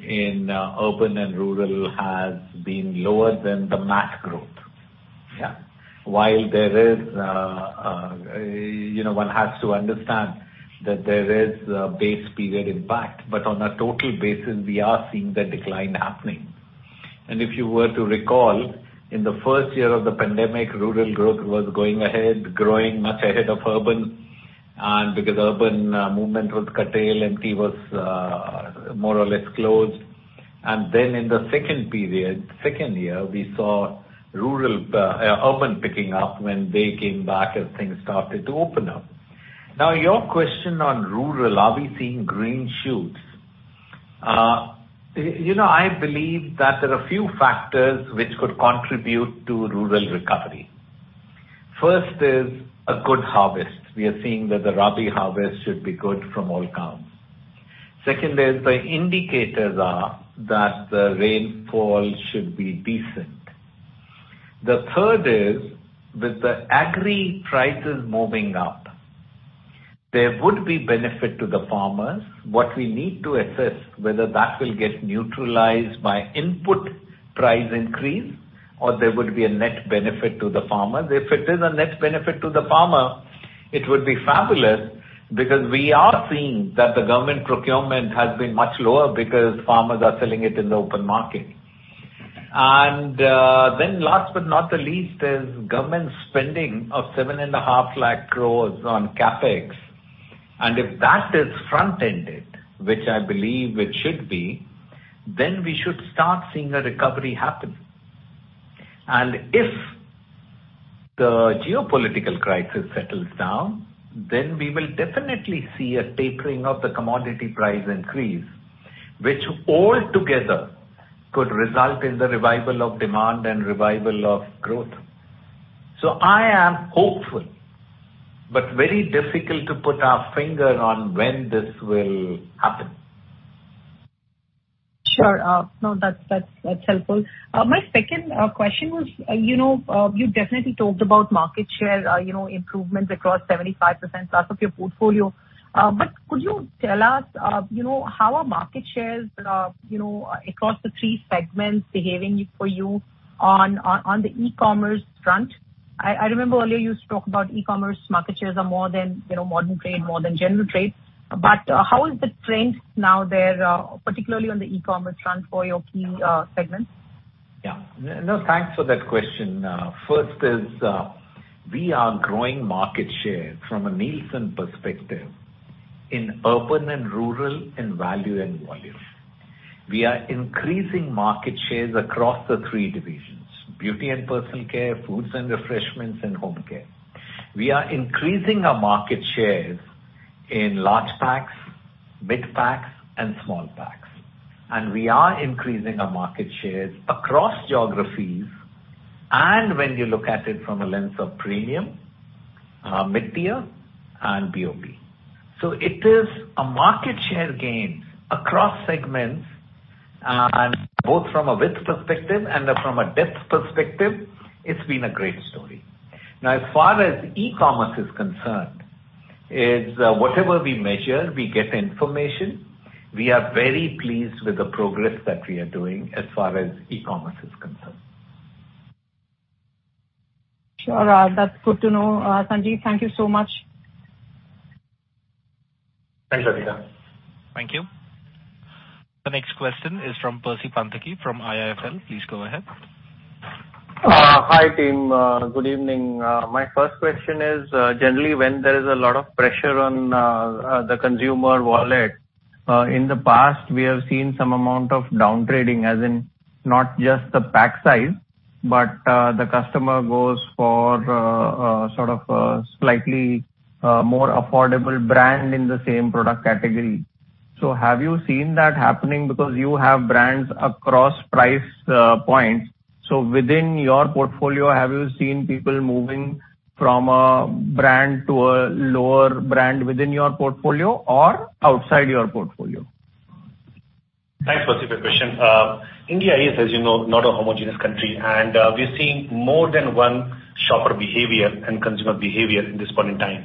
in urban and rural has been lower than the MAT growth. Yeah. While there is, you know, one has to understand that there is a base period impact, but on a total basis, we are seeing the decline happening. If you were to recall, in the first year of the pandemic, rural growth was going ahead, growing much ahead of urban, and because urban movement was curtailed, economy was more or less closed. In the second period, second year, we saw urban picking up when they came back as things started to open up. Now, your question on rural, are we seeing green shoots? You know, I believe that there are a few factors which could contribute to rural recovery. First is a good harvest. We are seeing that the Rabi harvest should be good from all counts. Second is the indicators are that the rainfall should be decent. The third is, with the Agri prices moving up, there would be benefit to the farmers. What we need to assess whether that will get neutralized by input price increase or there would be a net benefit to the farmers. If it is a net benefit to the farmer, it would be fabulous because we are seeing that the government procurement has been much lower because farmers are selling it in the open market. Last but not the least is government spending of 7.5 lakh crore on CapEx. If that is front-ended, which I believe it should be, then we should start seeing a recovery happen. If the geopolitical crisis settles down, then we will definitely see a tapering of the commodity price increase, which all together could result in the revival of demand and revival of growth. I am hopeful, but very difficult to put our finger on when this will happen. Sure. No, that's helpful. My second question was, you know, you definitely talked about market share, you know, improvements across 75%+ of your portfolio. Could you tell us, you know, how are market shares, you know, across the three segments behaving for you on the e-commerce front? I remember earlier you talked about e-commerce market shares are more than, you know, modern trade, more than general trade. How is the trends now there, particularly on the e-commerce front for your key segments? Yeah. No, thanks for that question. First is, we are growing market share from a Nielsen perspective in urban and rural, in value and volume. We are increasing market shares across the three divisions, beauty and personal care, foods and refreshments, and home care. We are increasing our market shares in large packs, mid packs and small packs. We are increasing our market shares across geographies, and when you look at it from a lens of premium, mid-tier and BoP. It is a market share gain across segments, and both from a width perspective and from a depth perspective, it's been a great story. Now, as far as e-commerce is concerned, whatever we measure, we get information. We are very pleased with the progress that we are doing as far as e-commerce is concerned. Sure. That's good to know, Sanjiv. Thank you so much. Thanks, Latika. Thank you. The next question is from Percy Panthaki from IIFL. Please go ahead. Hi, team. Good evening. My first question is, generally when there is a lot of pressure on the consumer wallet, in the past, we have seen some amount of down trading, as in not just the pack size, but the customer goes for sort of slightly more affordable brand in the same product category. Have you seen that happening because you have brands across price points. Within your portfolio, have you seen people moving from a brand to a lower brand within your portfolio or outside your portfolio? Thanks, Percy Panthaki, for your question. India is, as you know, not a homogeneous country, and we're seeing more than one shopper behavior and consumer behavior in this point in time.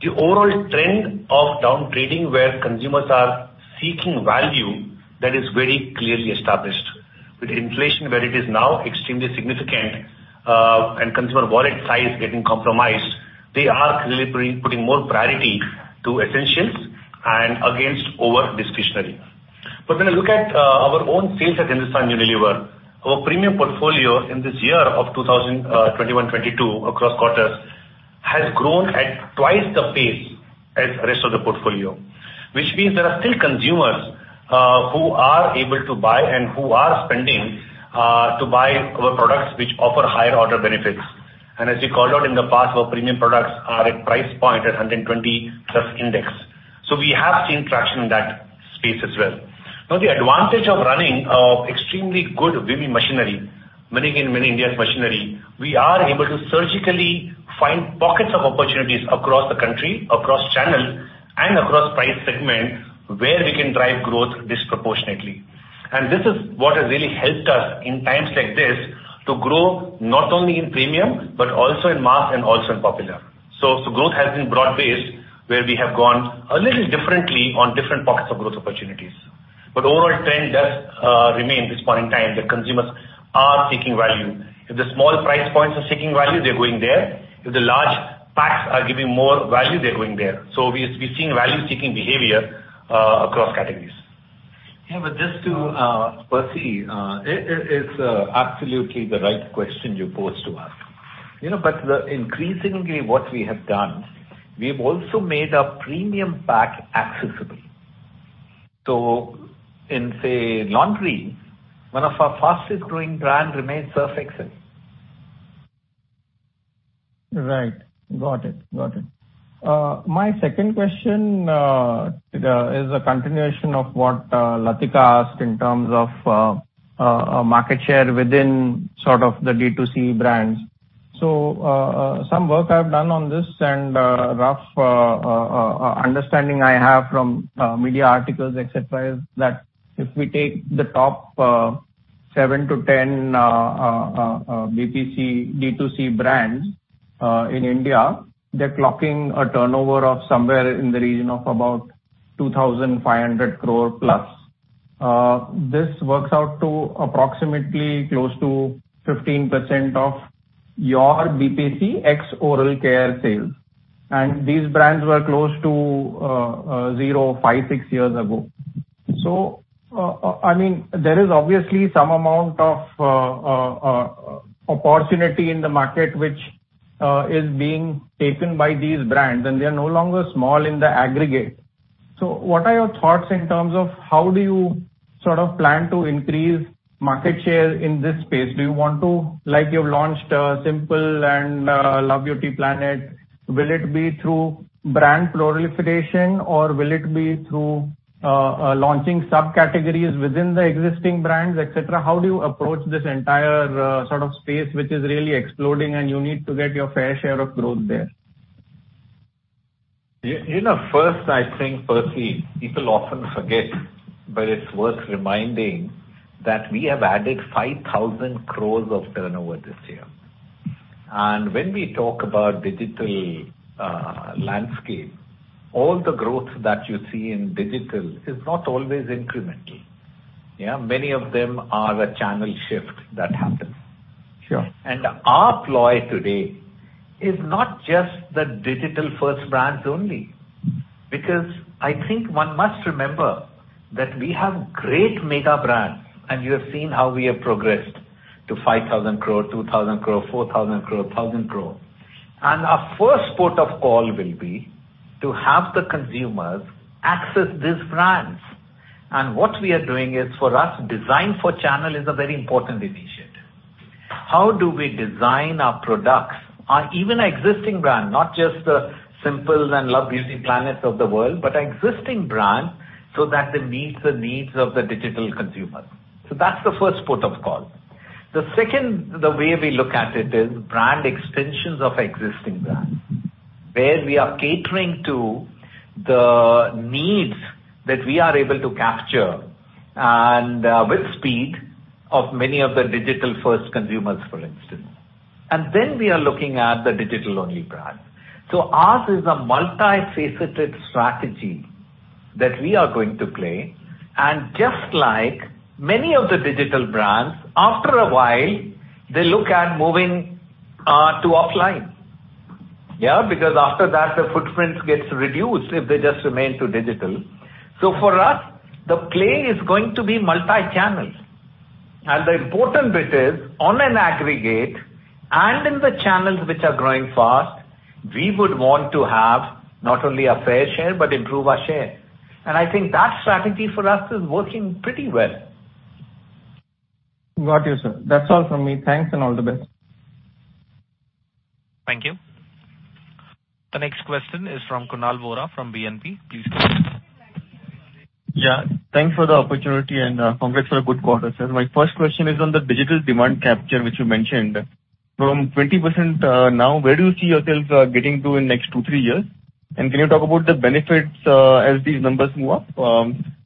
The overall trend of downgrading, where consumers are seeking value, that is very clearly established. With inflation where it is now extremely significant, and consumer wallet size getting compromised, they are clearly putting more priority to essentials and against over-discretionary. When you look at our own sales at Hindustan Unilever, our premium portfolio in this year of 2021-22 across quarters has grown at twice the pace as the rest of the portfolio. Which means there are still consumers who are able to buy and who are spending to buy our products, which offer higher order benefits. As we called out in the past, our premium products are at price point at 120+ index. We have seen traction in that space as well. Now, the advantage of running a extremely good WiMI machinery, Winning in Many Indias machinery, we are able to surgically find pockets of opportunities across the country, across channels and across price segment where we can drive growth disproportionately. This is what has really helped us in times like this to grow not only in premium but also in mass and also in popular. Growth has been broad-based, where we have gone a little differently on different pockets of growth opportunities. Overall trend does remain this point in time that consumers are seeking value. If the small price points are seeking value, they're going there. If the large packs are giving more value, they're going there. We've seen value-seeking behavior across categories. Just to Percy, it is absolutely the right question you pose to us. You know, increasingly what we have done, we've also made our premium pack accessible. In, say, laundry, one of our fastest growing brand remains Surf Excel. Right. Got it. My second question is a continuation of what Latika asked in terms of a market share within sort of the D2C brands. Some work I've done on this and rough understanding I have from media articles, et cetera, is that if we take the top 7-10 D2C brands in India, they're clocking a turnover of somewhere in the region of about 2,500 crore+. This works out to approximately close to 15% of your BPC ex-oral care sales. These brands were close to zero, five, six years ago. I mean, there is obviously some amount of opportunity in the market which is being taken by these brands, and they are no longer small in the aggregate. What are your thoughts in terms of how do you sort of plan to increase market share in this space? Do you want to like you've launched Simple and Love, Beauty and Planet. Will it be through brand proliferation, or will it be through launching subcategories within the existing brands, et cetera? How do you approach this entire sort of space which is really exploding and you need to get your fair share of growth there? You know, first, I think, Percy, people often forget, but it's worth reminding that we have added 5,000 crores of turnover this year. When we talk about digital landscape, all the growth that you see in digital is not always incremental. Yeah. Many of them are the channel shift that happens. Sure. Our play today is not just the digital-first brands only. Because I think one must remember that we have great mega brands, and you have seen how we have progressed to 5,000 crore, 2,000 crore, 4,000 crore, 1,000 crore. Our first port of call will be to have the consumers access these brands. What we are doing is, for us, Design for Channel is a very important initiative. How do we design our products or even existing brand, not just the Simple and Love, Beauty and Planet of the world, but existing brand, so that they meet the needs of the digital consumer? That's the first port of call. The second, the way we look at it is brand extensions of existing brands, where we are catering to the needs that we are able to capture and, with speed of many of the digital-first consumers, for instance. Then we are looking at the digital-only brands. Ours is a multi-faceted strategy that we are going to play. Just like many of the digital brands, after a while, they look at moving to offline, yeah. Because after that, the footprints gets reduced if they just remain to digital. For us, the play is going to be multi-channel. The important bit is on an aggregate and in the channels which are growing fast, we would want to have not only a fair share but improve our share. I think that strategy for us is working pretty well. Got you, sir. That's all from me. Thanks and all the best. Thank you. The next question is from Kunal Vora from BNP. Please go ahead. Yeah, thanks for the opportunity, and congrats for a good quarter, sir. My first question is on the digital demand capture which you mentioned. From 20%, now, where do you see yourselves getting to in next two, three years? Can you talk about the benefits as these numbers move up?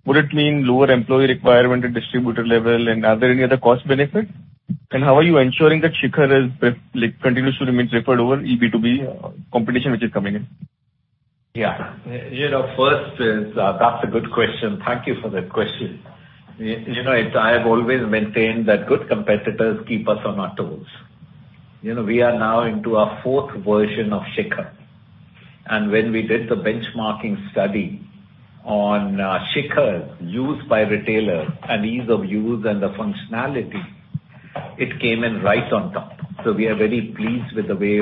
Would it mean lower employee requirement at distributor level, and are there any other cost benefits? How are you ensuring that Shikhar is like continuously remains preferred over eB2B competition which is coming in? Yeah. You know, that's a good question. Thank you for that question. You know, I've always maintained that good competitors keep us on our toes. You know, we are now into our fourth version of Shikhar. When we did the benchmarking study on Shikhar's use by retailers and ease of use and the functionality, it came in right on top. We are very pleased with the way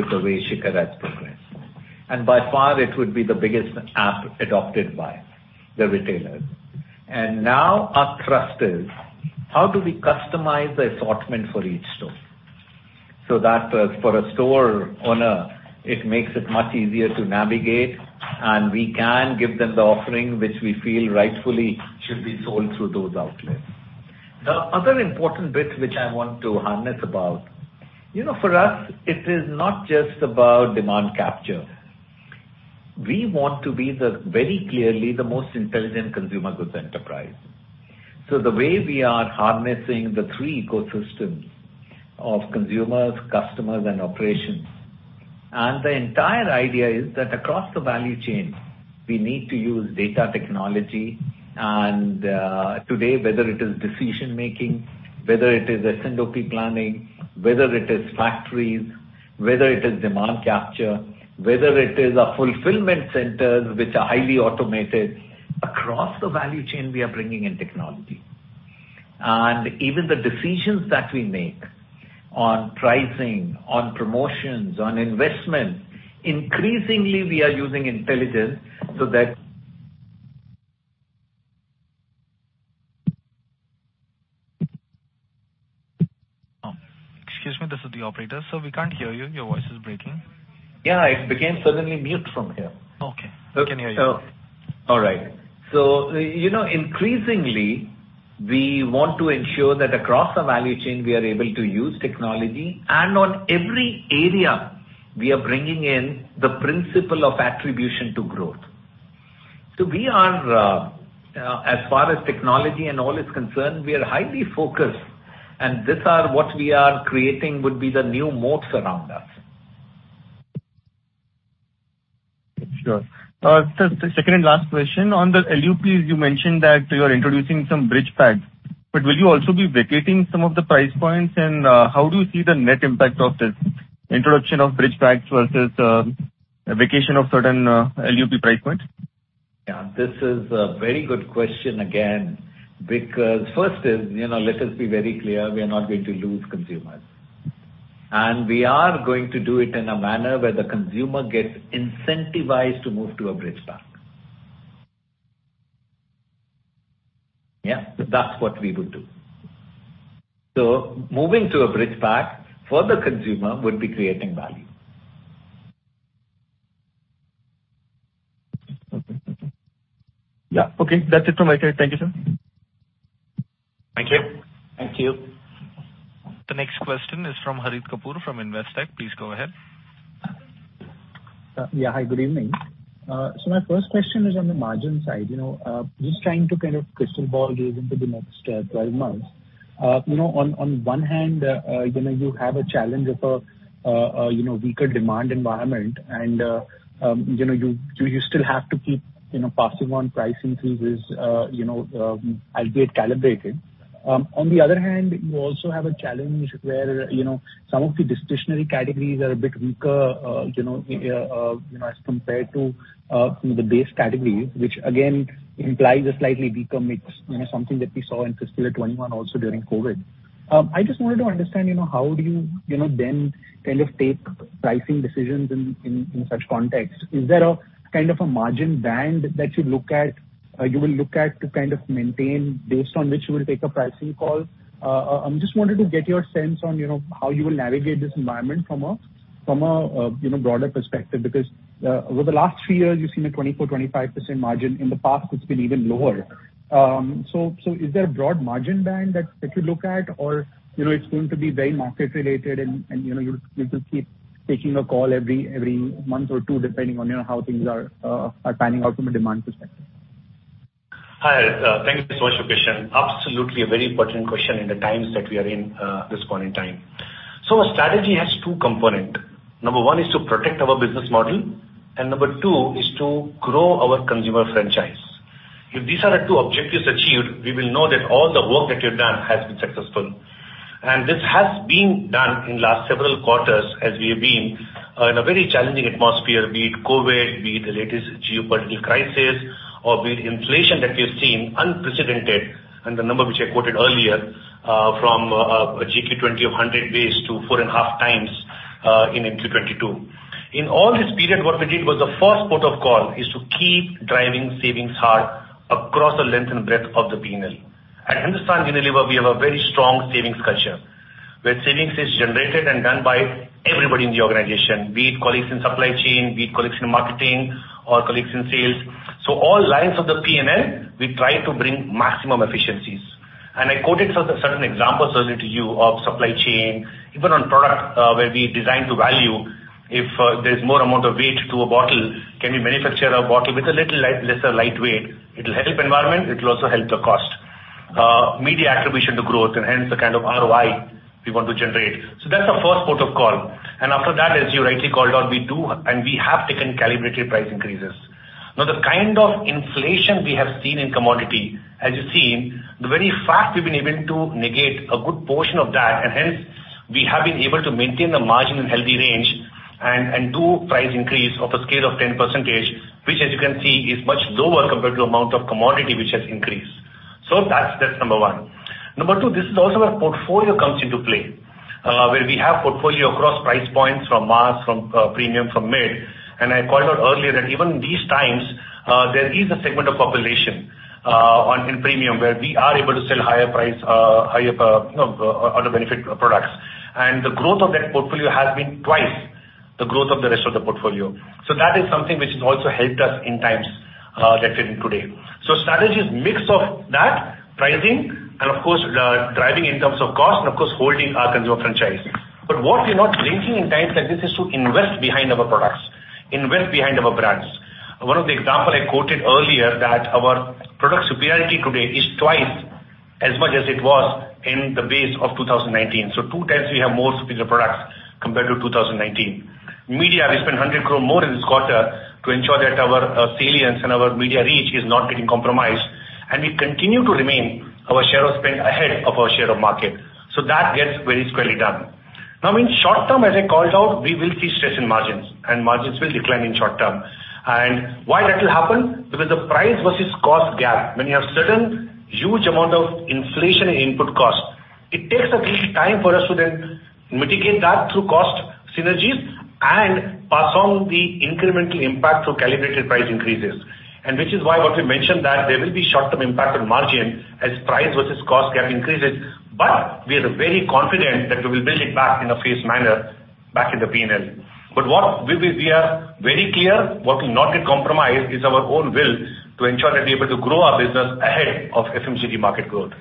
Shikhar has progressed. By far it would be the biggest app adopted by the retailers. Now our thrust is how do we customize the assortment for each store so that for a store owner, it makes it much easier to navigate, and we can give them the offering which we feel rightfully should be sold through those outlets. The other important bit which I want to harness about, you know, for us, it is not just about demand capture. We want to be the, very clearly the most intelligent consumer goods enterprise. The way we are harnessing the three ecosystems of consumers, customers and operations, and the entire idea is that across the value chain we need to use data technology and today, whether it is decision-making, whether it is S&OP planning, whether it is factories, whether it is demand capture, whether it is our fulfillment centers, which are highly automated, across the value chain, we are bringing in technology. Even the decisions that we make on pricing, on promotions, on investments, increasingly we are using intelligence so that. Excuse me, this is the operator. Sir, we can't hear you. Your voice is breaking. Yeah, it became suddenly mute from here. Okay. We can hear you. All right. You know, increasingly we want to ensure that across the value chain we are able to use technology, and on every area we are bringing in the principle of attribution to growth. We are, as far as technology and all is concerned, we are highly focused and these are what we are creating would be the new moats around us. Sure. Sir, second and last question. On the LUPs, you mentioned that you're introducing some bridge packs. But will you also be vacating some of the price points? And, how do you see the net impact of this introduction of bridge packs versus, a vacation of certain, LUP price points? Yeah, this is a very good question again, because first is, you know, let us be very clear, we are not going to lose consumers. We are going to do it in a manner where the consumer gets incentivized to move to a bridge pack. Yeah, that's what we would do. Moving to a bridge pack for the consumer would be creating value. Yeah. Okay. That's it from my side. Thank you, sir. Thank you. Thank you. The next question is from Harit Kapoor from Investec. Please go ahead. Yeah. Hi, good evening. My first question is on the margin side. You know, just trying to kind of crystal ball gaze into the next 12 months. You know, on one hand, you know, you have a challenge of a weaker demand environment and you know, you still have to keep you know, passing on pricing through this albeit calibrated. On the other hand, you also have a challenge where you know, some of the discretionary categories are a bit weaker you know, as compared to the base categories, which again implies a slightly weaker mix, you know, something that we saw in Fiscal Year 2021 also during COVID. I just wanted to understand, you know, how do you know, then kind of take pricing decisions in such context? Is there a kind of a margin band that you look at, you will look at to kind of maintain based on which you will take a pricing call? I just wanted to get your sense on, you know, how you will navigate this environment from a broader perspective. Because, over the last three years you've seen a 24%-25% margin. In the past it's been even lower. So, is there a broad margin band that you look at? You know, it's going to be very market related and, you know, you'll just keep taking a call every month or two depending on, you know, how things are panning out from a demand perspective. Hi, thank you so much for your question. Absolutely a very important question in the times that we are in, this point in time. Our strategy has two component. Number one is to protect our business model, and number two is to grow our consumer franchise. If these are the two objectives achieved, we will know that all the work that we've done has been successful. This has been done in last several quarters as we have been in a very challenging atmosphere, be it COVID, be it the latest geopolitical crisis or be it inflation that we have seen unprecedented, and the number which I quoted earlier, from a JQ 2020 of 100 basis to 4.5 times in MQ 2022. In all this period, what we did was the first port of call is to keep driving savings hard across the length and breadth of the P&L. At Hindustan Unilever, we have a very strong savings culture, where savings is generated and done by everybody in the organization, be it colleagues in supply chain, be it colleagues in marketing or colleagues in sales. All lines of the P&L, we try to bring maximum efficiencies. I quoted certain examples earlier to you of supply chain, even on product, where we design to value. If there's more amount of weight to a bottle, can we manufacture a bottle with a little less weight? It'll help the environment, it will also help the cost. Media contribution to growth and hence the kind of ROI we want to generate. That's the first port of call. After that, as you rightly called out, we do and we have taken calibrated price increases. Now, the kind of inflation we have seen in commodity, as you've seen, the very fact we've been able to negate a good portion of that, and hence we have been able to maintain the margin in healthy range and do price increase of a scale of 10%, which as you can see, is much lower compared to amount of commodity which has increased. That's number one. Number two, this is also where portfolio comes into play, where we have portfolio across price points from mass, from premium, from mid. I called out earlier that even these times, there is a segment of population in premium where we are able to sell higher price, higher, you know, other benefit products. The growth of that portfolio has been twice the growth of the rest of the portfolio. That is something which has also helped us in times that we're in today. Strategy is mix of that pricing and of course, driving in terms of cost and of course, holding our consumer franchise. But what we're not blinking in times like this is to invest behind our products, invest behind our brands. One of the example I quoted earlier that our product superiority today is twice as much as it was in the base of 2019. Two times we have more superior products compared to 2019. Media, we spent 100 crore more in this quarter to ensure that our salience and our media reach is not getting compromised. And we continue to remain our share of spend ahead of our share of market. That gets very squarely done. Now, in short term, as I called out, we will see stress in margins and margins will decline in short term. Why that will happen? Because the price versus cost gap, when you have certain huge amount of inflation in input cost, it takes a little time for us to then mitigate that through cost synergies and pass on the incremental impact through calibrated price increases. Which is why what we mentioned that there will be short-term impact on margin as price versus cost gap increases. We are very confident that we will build it back in a phased manner back in the P&L. We are very clear what will not get compromised is our own will to ensure that we're able to grow our business ahead of FMCG market growth.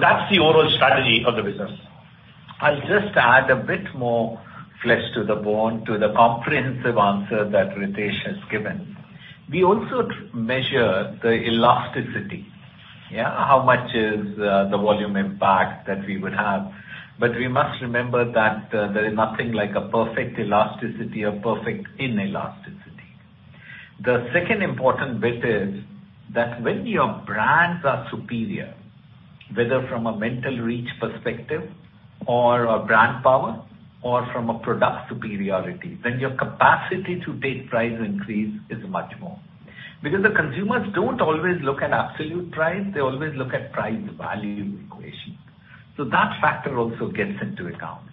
That's the overall strategy of the business. I'll just add a bit more flesh to the bone, to the comprehensive answer that Ritesh has given. We also measure the elasticity. Yeah, how much is the volume impact that we would have? We must remember that there is nothing like a perfect elasticity or perfect inelasticity. The second important bit is that when your brands are superior, whether from a mental reach perspective or a brand power, or from a product superiority, then your capacity to take price increase is much more. Because the consumers don't always look at absolute price, they always look at price value equation. That factor also gets into account.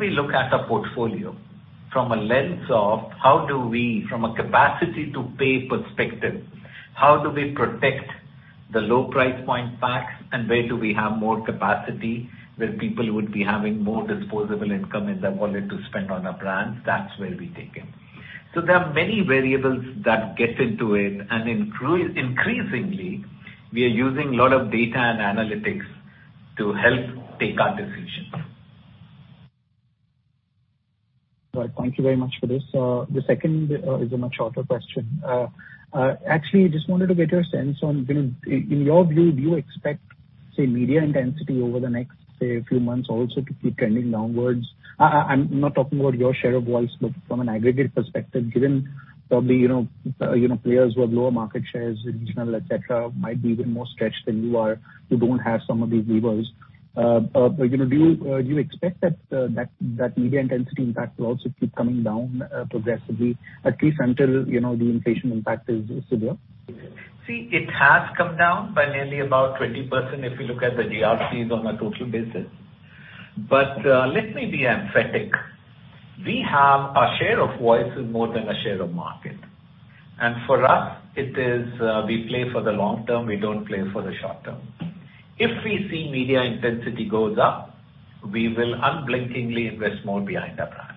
We look at a portfolio from a lens of how do we, from a capacity to pay perspective, how do we protect the low price point packs and where do we have more capacity where people would be having more disposable income in their wallet to spend on our brands? That's where we take it. There are many variables that get into it, and increasingly, we are using a lot of data and analytics to help take our decisions. Right. Thank you very much for this. The second is a much shorter question. Actually, just wanted to get your sense on, you know, in your view, do you expect, say, media intensity over the next, say, few months also to keep trending downwards? I'm not talking about your share of voice, but from an aggregate perspective, given probably, you know, players who have lower market shares, regional, et cetera, might be even more stretched than you are, who don't have some of these levers. You know, do you expect that media intensity impact will also keep coming down, progressively, at least until, you know, the inflation impact is severe? See, it has come down by nearly about 20% if you look at the GRPs on a total basis. Let me be emphatic. Our share of voice is more than our share of market. For us it is, we play for the long term, we don't play for the short term. If we see media intensity goes up, we will unblinkingly invest more behind our brands.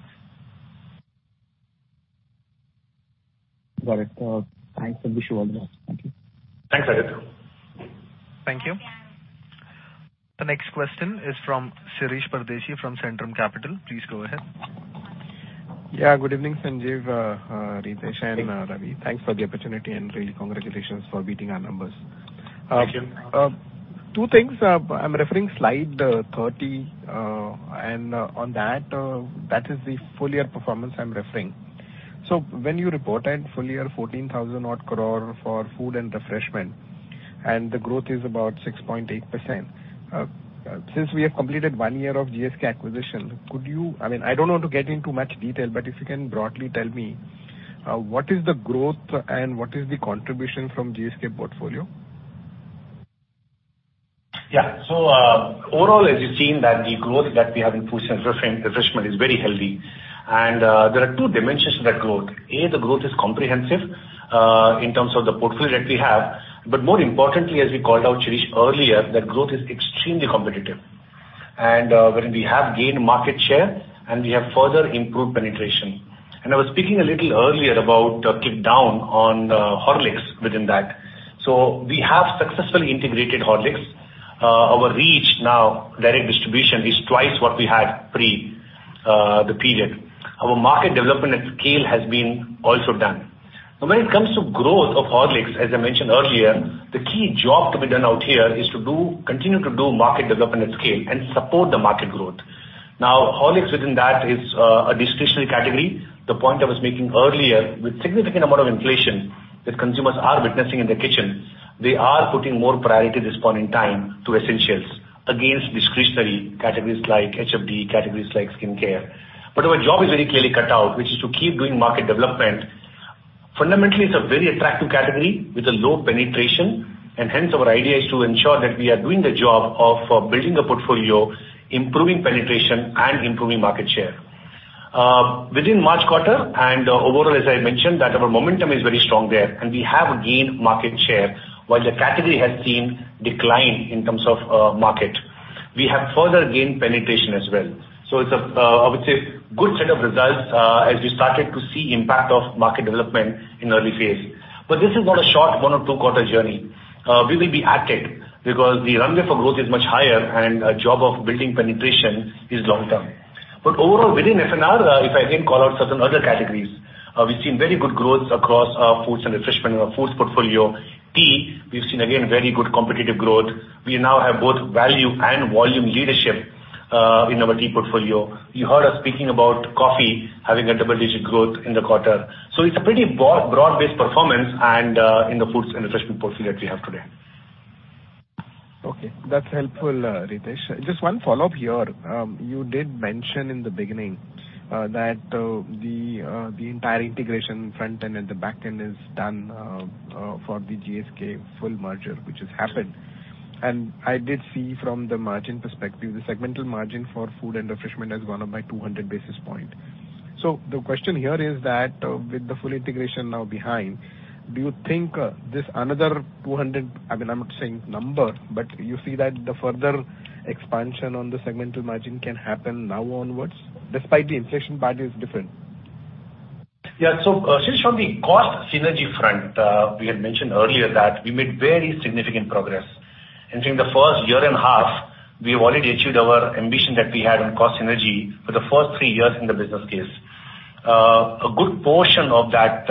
Got it. Thanks and wish you all the best. Thank you. Thanks, Harit. Thank you. The next question is from Shirish Pardeshi from Centrum Capital. Please go ahead. Yeah, good evening, Sanjiv, Ritesh. Good evening. Ravi. Thanks for the opportunity and really congratulations for beating our numbers. Thank you. Two things. I'm referring to slide 30. On that is the FY performance I'm referring to. When you reported FY 14,000-odd crore for food and refreshment, and the growth is about 6.8%. Since we have completed one year of GSK acquisition, could you? I mean, I don't want to get into much detail, but if you can broadly tell me what is the growth and what is the contribution from GSK portfolio? Yeah. Overall, as you've seen that the growth that we have in foods and refreshment is very healthy. There are two dimensions to that growth. A, the growth is comprehensive in terms of the portfolio that we have. More importantly, as we called out, Shirish, earlier, that growth is extremely competitive. Wherein we have gained market share, and we have further improved penetration. I was speaking a little earlier about a tick down on Horlicks within that. We have successfully integrated Horlicks. Our reach now, direct distribution, is twice what we had pre the period. Our market development and scale has been also done. Now, when it comes to growth of Horlicks, as I mentioned earlier, the key job to be done out here is to continue to do market development at scale and support the market growth. Now, Horlicks within that is a discretionary category. The point I was making earlier, with significant amount of inflation that consumers are witnessing in their kitchen, they are putting more priority this point in time to essentials against discretionary categories like HFD, categories like skincare. Our job is very clearly cut out, which is to keep doing market development. Fundamentally, it's a very attractive category with a low penetration, and hence our idea is to ensure that we are doing the job of building a portfolio, improving penetration, and improving market share. Within March quarter and overall, as I mentioned, that our momentum is very strong there, and we have gained market share while the category has seen decline in terms of market. We have further gained penetration as well. It's a, I would say, good set of results, as we started to see impact of market development in early phase. This is not a short one- or two-quarter journey. We will be at it because the runway for growth is much higher, and our job of building penetration is long-term. Overall, within F&R, if I again call out certain other categories, we've seen very good growth across our foods and refreshment or our foods portfolio. Tea, we've seen again very good competitive growth. We now have both value and volume leadership in our tea portfolio. You heard us speaking about coffee having a double-digit growth in the quarter. It's a pretty broad-based performance and in the foods and refreshment portfolio that we have today. Okay. That's helpful, Ritesh. Just one follow-up here. You did mention in the beginning that the entire integration front-end and the back-end is done for the GSK full merger, which has happened. I did see from the margin perspective, the segmental margin for food and refreshment has gone up by 200 basis points. The question here is that, with the full integration now behind, do you think this another 200? I mean, I'm not saying number, but you see that the further expansion on the segmental margin can happen now onwards despite the inflation basket is different? Yeah. Shirish, on the cost synergy front, we had mentioned earlier that we made very significant progress. During the first year and a half, we have already achieved our ambition that we had on cost synergy for the first three years in the business case. A good portion of that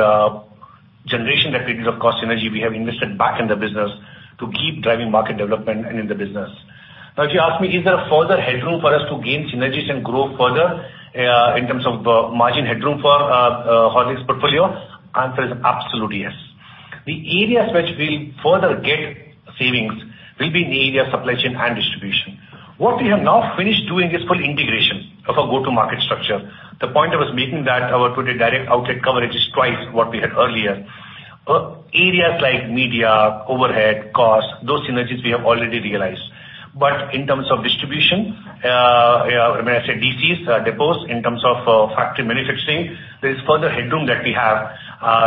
generation that we did of cost synergy, we have invested back in the business to keep driving market development and in the business. Now, if you ask me, is there a further headroom for us to gain synergies and grow further, in terms of margin headroom for Horlicks portfolio? Answer is absolute yes. The areas which we'll further get savings will be in the area of supply chain and distribution. What we have now finished doing is full integration of our go-to-market structure. The point I was making that our today direct outlet coverage is twice what we had earlier. Areas like media, overhead, costs, those synergies we have already realized. In terms of distribution, may I say DCs, depots, in terms of factory manufacturing, there is further headroom that we have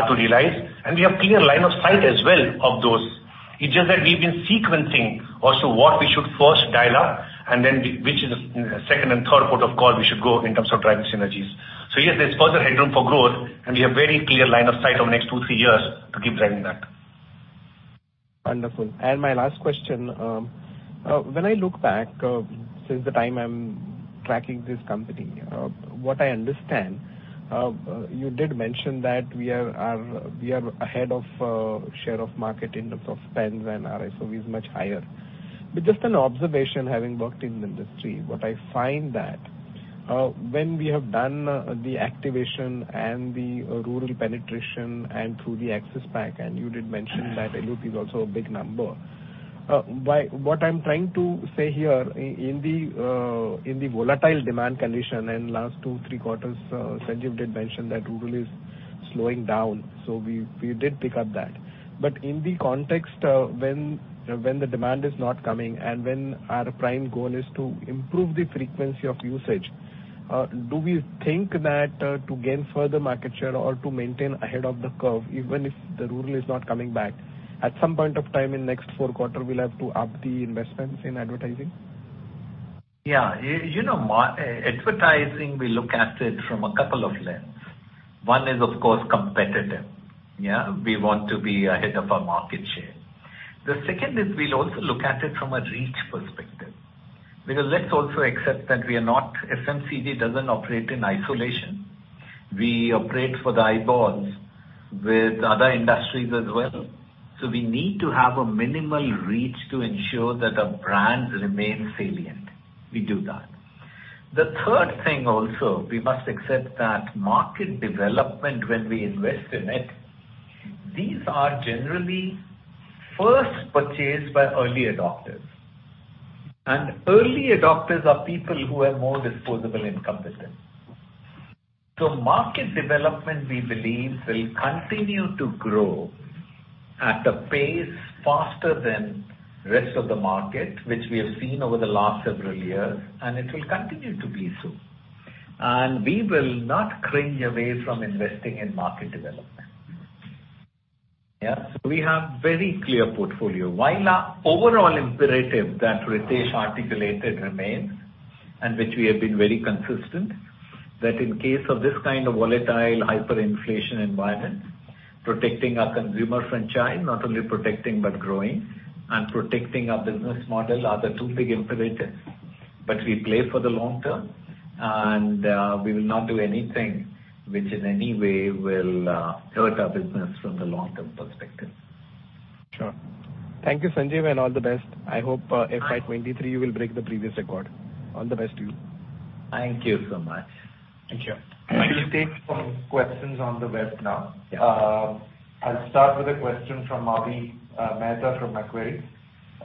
to realize, and we have clear line of sight as well of those. It's just that we've been sequencing also what we should first dial up and then which is the second and third port of call we should go in terms of driving synergies. Yes, there's further headroom for growth, and we have very clear line of sight over the next two, three years to keep driving that. Wonderful. My last question. When I look back since the time I'm tracking this company, what I understand, you did mention that we are ahead of share of market in terms of spends and our SOV is much higher. Just an observation, having worked in the industry, what I find that when we have done the activation and the rural penetration and through the access pack, and you did mention that AUP is also a big number. What I'm trying to say here, in the volatile demand condition in last two, three quarters, Sanjiv did mention that rural is slowing down, so we did pick up that. In the context of when the demand is not coming and when our prime goal is to improve the frequency of usage, do we think that to gain further market share or to maintain ahead of the curve, even if the rural is not coming back, at some point of time in next four quarter, we'll have to up the investments in advertising? Yeah. You know, advertising, we look at it from a couple of lenses. One is, of course, competitive. Yeah. We want to be ahead of our market share. The second is we'll also look at it from a reach perspective. Because let's also accept that FMCG doesn't operate in isolation. We operate for the eyeballs with other industries as well. So we need to have a minimal reach to ensure that our brands remain salient. We do that. The third thing also, we must accept that market development, when we invest in it, these are generally first purchased by early adopters, and early adopters are people who have more disposable income with them. Market development, we believe, will continue to grow at a pace faster than rest of the market, which we have seen over the last several years, and it will continue to be so. We will not cringe away from investing in market development. Yeah. We have very clear portfolio. While our overall imperative that Ritesh articulated remains, and which we have been very consistent, that in case of this kind of volatile hyperinflation environment, protecting our consumer franchise, not only protecting but growing and protecting our business model are the two big imperatives. We play for the long term, and we will not do anything which in any way will hurt our business from the long-term perspective. Sure. Thank you, Sanjiv, and all the best. I hope, FY 2023 you will break the previous record. All the best to you. Thank you so much. Thank you. We'll take some questions on the web now. I'll start with a question from Avi Mehta from Macquarie.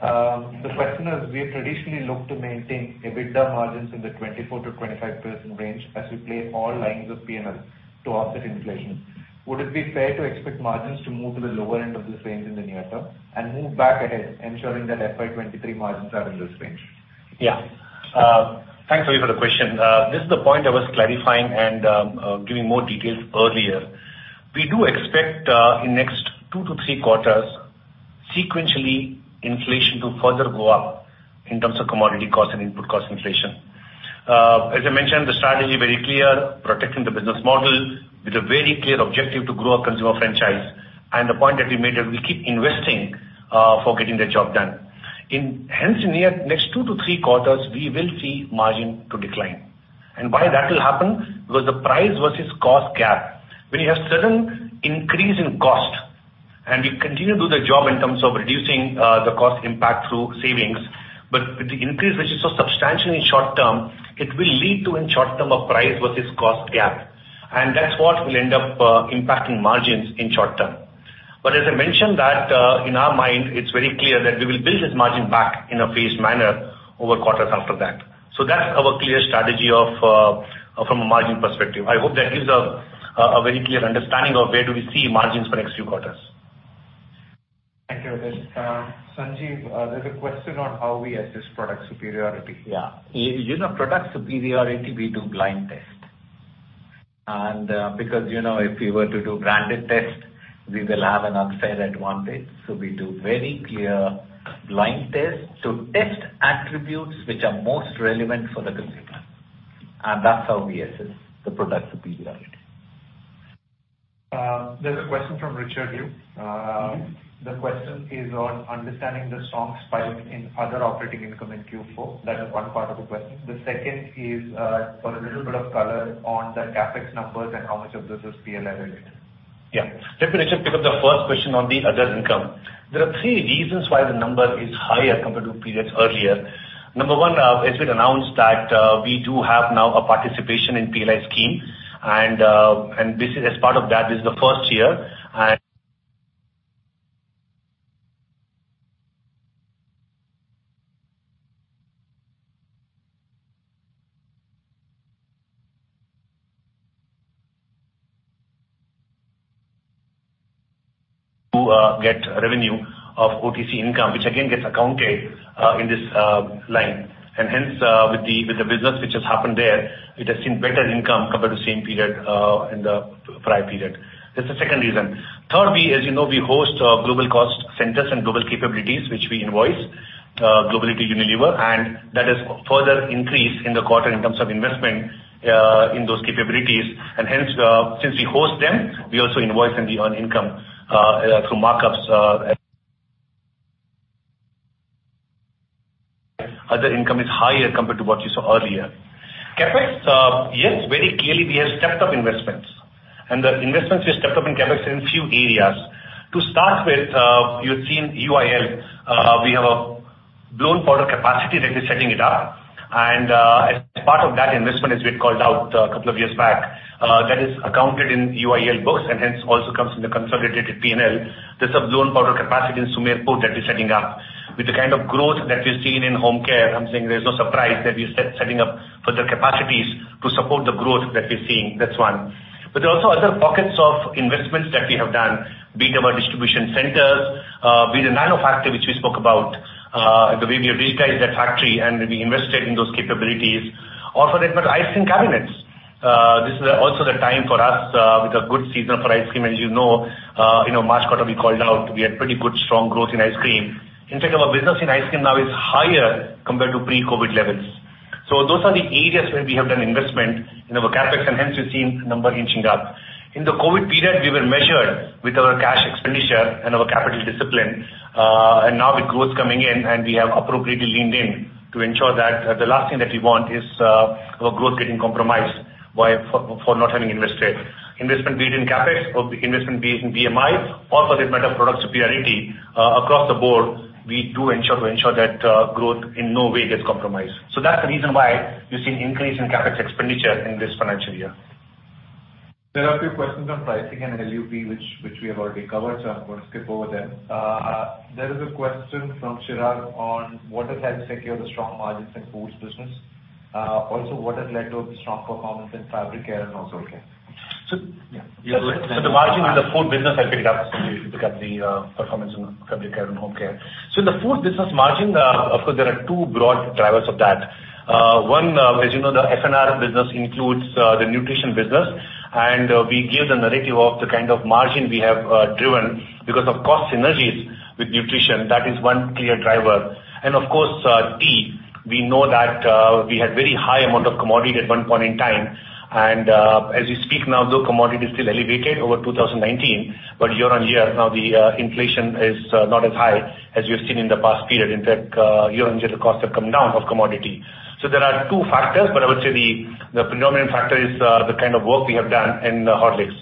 The question is: We have traditionally looked to maintain EBITDA margins in the 24%-25% range as we play all lines of P&L to offset inflation. Would it be fair to expect margins to move to the lower end of this range in the near term and move back ahead ensuring that FY 2023 margins are in this range? Yeah. Thanks, Avi, for the question. This is the point I was clarifying and giving more details earlier. We do expect in next two to three quarters sequentially inflation to further go up in terms of commodity cost and input cost inflation. As I mentioned, the strategy very clear, protecting the business model with a very clear objective to grow our consumer franchise. The point that we made that we keep investing for getting the job done. In the near next two to three quarters, we will see margin to decline. Why that will happen? Because the price versus cost gap. When you have sudden increase in cost, and we continue to do the job in terms of reducing the cost impact through savings, but with the increase which is so substantial in short term, it will lead to in short term a price versus cost gap. That's what will end up impacting margins in short term. As I mentioned that, in our mind, it's very clear that we will build this margin back in a phased manner over quarters after that. That's our clear strategy of from a margin perspective. I hope that gives a very clear understanding of where do we see margins for next few quarters. Thank you, Ritesh. Sanjiv, there's a question on how we assess product superiority. Yeah. You know, product superiority, we do blind test. Because, you know, if we were to do branded test, we will have an unfair advantage. We do very clear blind test to test attributes which are most relevant for the consumer. That's how we assess the product superiority. There's a question from Richard Liu. The question is on understanding the strong spike in other operating income in Q4. That is one part of the question. The second is, for a little bit of color on the CapEx numbers and how much of this is PLI related. Yeah. Let me, Richard Liu, pick up the first question on the other income. There are three reasons why the number is higher compared to periods earlier. Number one, as we'd announced that, we do have now a participation in PLI scheme, and this is as part of that, this is the first year and to get revenue of OTC income, which again gets accounted in this line. Hence, with the business which has happened there, it has seen better income compared to the same period in the prior period. That's the second reason. Third, we, as you know, we host global cost centers and global capabilities which we invoice globally to Unilever, and that has further increased in the quarter in terms of investment in those capabilities. Hence, since we host them, we also invoice and we earn income through markups. Other income is higher compared to what you saw earlier. CapEx, yes, very clearly we have stepped up investments. The investments we have stepped up in CapEx in few areas. To start with, you've seen UIL, we have a blown powder capacity that is setting it up. As part of that investment, as we had called out a couple of years back, that is accounted in UIL books and hence also comes in the consolidated P&L. There's a blown powder capacity in Sumerpur that is setting up. With the kind of growth that we've seen in Home Care, I'm saying there's no surprise that we're setting up further capacities to support the growth that we're seeing. That's one. There are also other pockets of investments that we have done, be it our distribution centers, be it the nano factory which we spoke about, the way we have digitized that factory and we invested in those capabilities. Also, there's ice cream cabinets. This is also the time for us, with a good season for ice cream. As you know, you know, March quarter we called out, we had pretty good strong growth in ice cream. In fact, our business in ice cream now is higher compared to pre-COVID levels. Those are the areas where we have done investment in our CapEx, and hence you're seeing number inching up. In the COVID period, we were measured with our cash expenditure and our capital discipline. Now with growth coming in, and we have appropriately leaned in to ensure that the last thing that we want is our growth getting compromised by not having invested. Investment be it in CapEx or investment be it in BMI, also this matter of product superiority, across the board, we ensure that growth in no way gets compromised. That's the reason why you're seeing increase in CapEx expenditure in this financial year. There are a few questions on pricing and LUP which we have already covered, so I'm going to skip over them. There is a question from Chiragi on what has helped secure the strong margins in foods business. Also what has led to the strong performance in fabric care and home care? So... Yeah. The margin in the food business I'll pick it up... the performance in fabric care and home care. In the food business margin, of course, there are two broad drivers of that. One, as you know, the F&R business includes the nutrition business, and we give the narrative of the kind of margin we have driven because of cost synergies with nutrition. That is one clear driver. Of course, tea, we know that we had very high amount of commodity at one point in time. As we speak now, though commodity is still elevated over 2019, but year-on-year now the inflation is not as high as we have seen in the past period. In fact, year-on-year the costs have come down of commodity. There are two factors, but I would say the predominant factor is the kind of work we have done in Horlicks.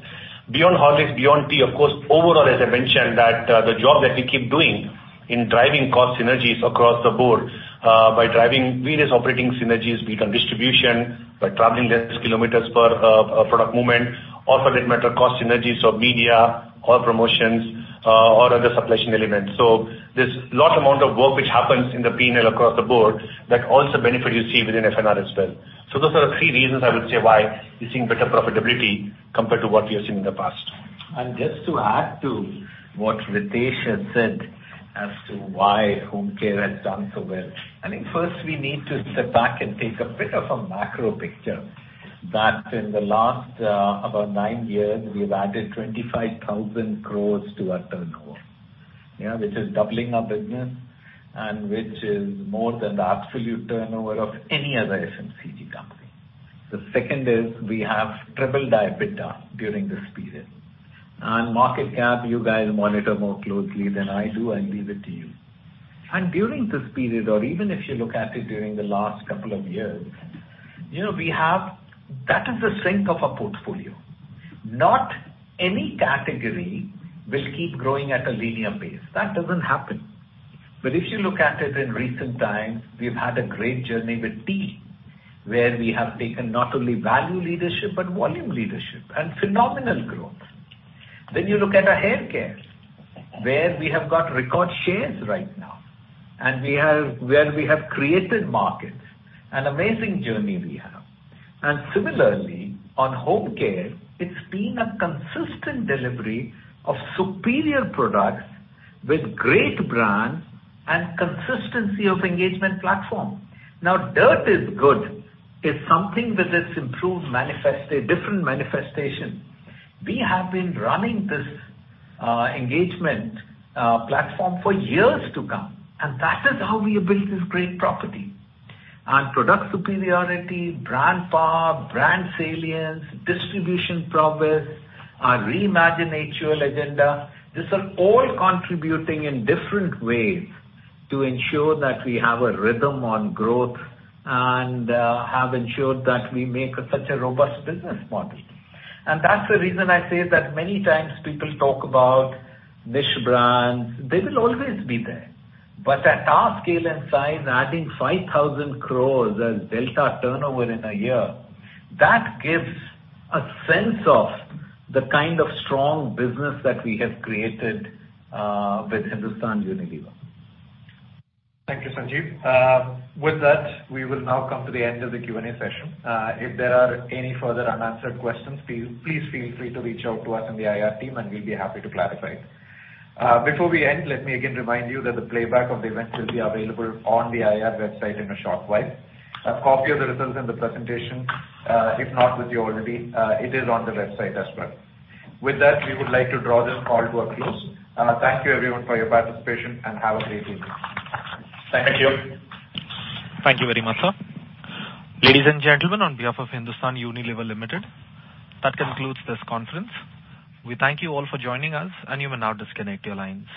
Beyond Horlicks, beyond tea, of course, overall, as I mentioned that the job that we keep doing in driving cost synergies across the board by driving various operating synergies, be it on distribution, by traveling less kilometers per product movement or for that matter, cost synergies or media or promotions or other supply chain elements. There's a lot of work which happens in the P&L across the board that also benefits you see within F&R as well. Those are the three reasons I would say why we're seeing better profitability compared to what we have seen in the past. Just to add to what Ritesh had said as to why Home Care has done so well. I think first we need to sit back and take a bit of a macro picture that in the last about nine years we have added 25,000 crores to our turnover. Yeah, which is doubling our business and which is more than the absolute turnover of any other FMCG company. The second is we have tripled the EBITDA during this period. Market cap, you guys monitor more closely than I do. I'll leave it to you. During this period or even if you look at it during the last couple of years, you know, we have. That is the strength of our portfolio. Not any category will keep growing at a linear pace. That doesn't happen. If you look at it in recent times, we've had a great journey with tea. We have taken not only value leadership, but volume leadership and phenomenal growth. You look at our hair care, where we have got record shares right now, and where we have created markets, an amazing journey we have. Similarly, on home care, it's been a consistent delivery of superior products with great brands and consistency of engagement platform. Now, Dirt Is Good is something that has a different manifestation. We have been running this engagement platform for years to come, and that is how we have built this great property. Product superiority, brand power, brand salience, distribution prowess, our Reimagine HUL agenda, these are all contributing in different ways to ensure that we have a rhythm on growth and have ensured that we make such a robust business model. That's the reason I say that many times people talk about niche brands. They will always be there. At our scale and size, adding 5,000 crores as delta turnover in a year, that gives a sense of the kind of strong business that we have created with Hindustan Unilever. Thank you, Sanjiv. With that, we will now come to the end of the Q&A session. If there are any further unanswered questions, please feel free to reach out to us in the IR team, and we'll be happy to clarify. Before we end, let me again remind you that the playback of the event will be available on the IR website in a short while. A copy of the results and the presentation, if not with you already, it is on the website as well. With that, we would like to draw this call to a close. Thank you everyone for your participation, and have a great evening. Thank you. Thank you. Thank you very much, sir. Ladies and gentlemen, on behalf of Hindustan Unilever Limited, that concludes this conference. We thank you all for joining us, and you may now disconnect your lines.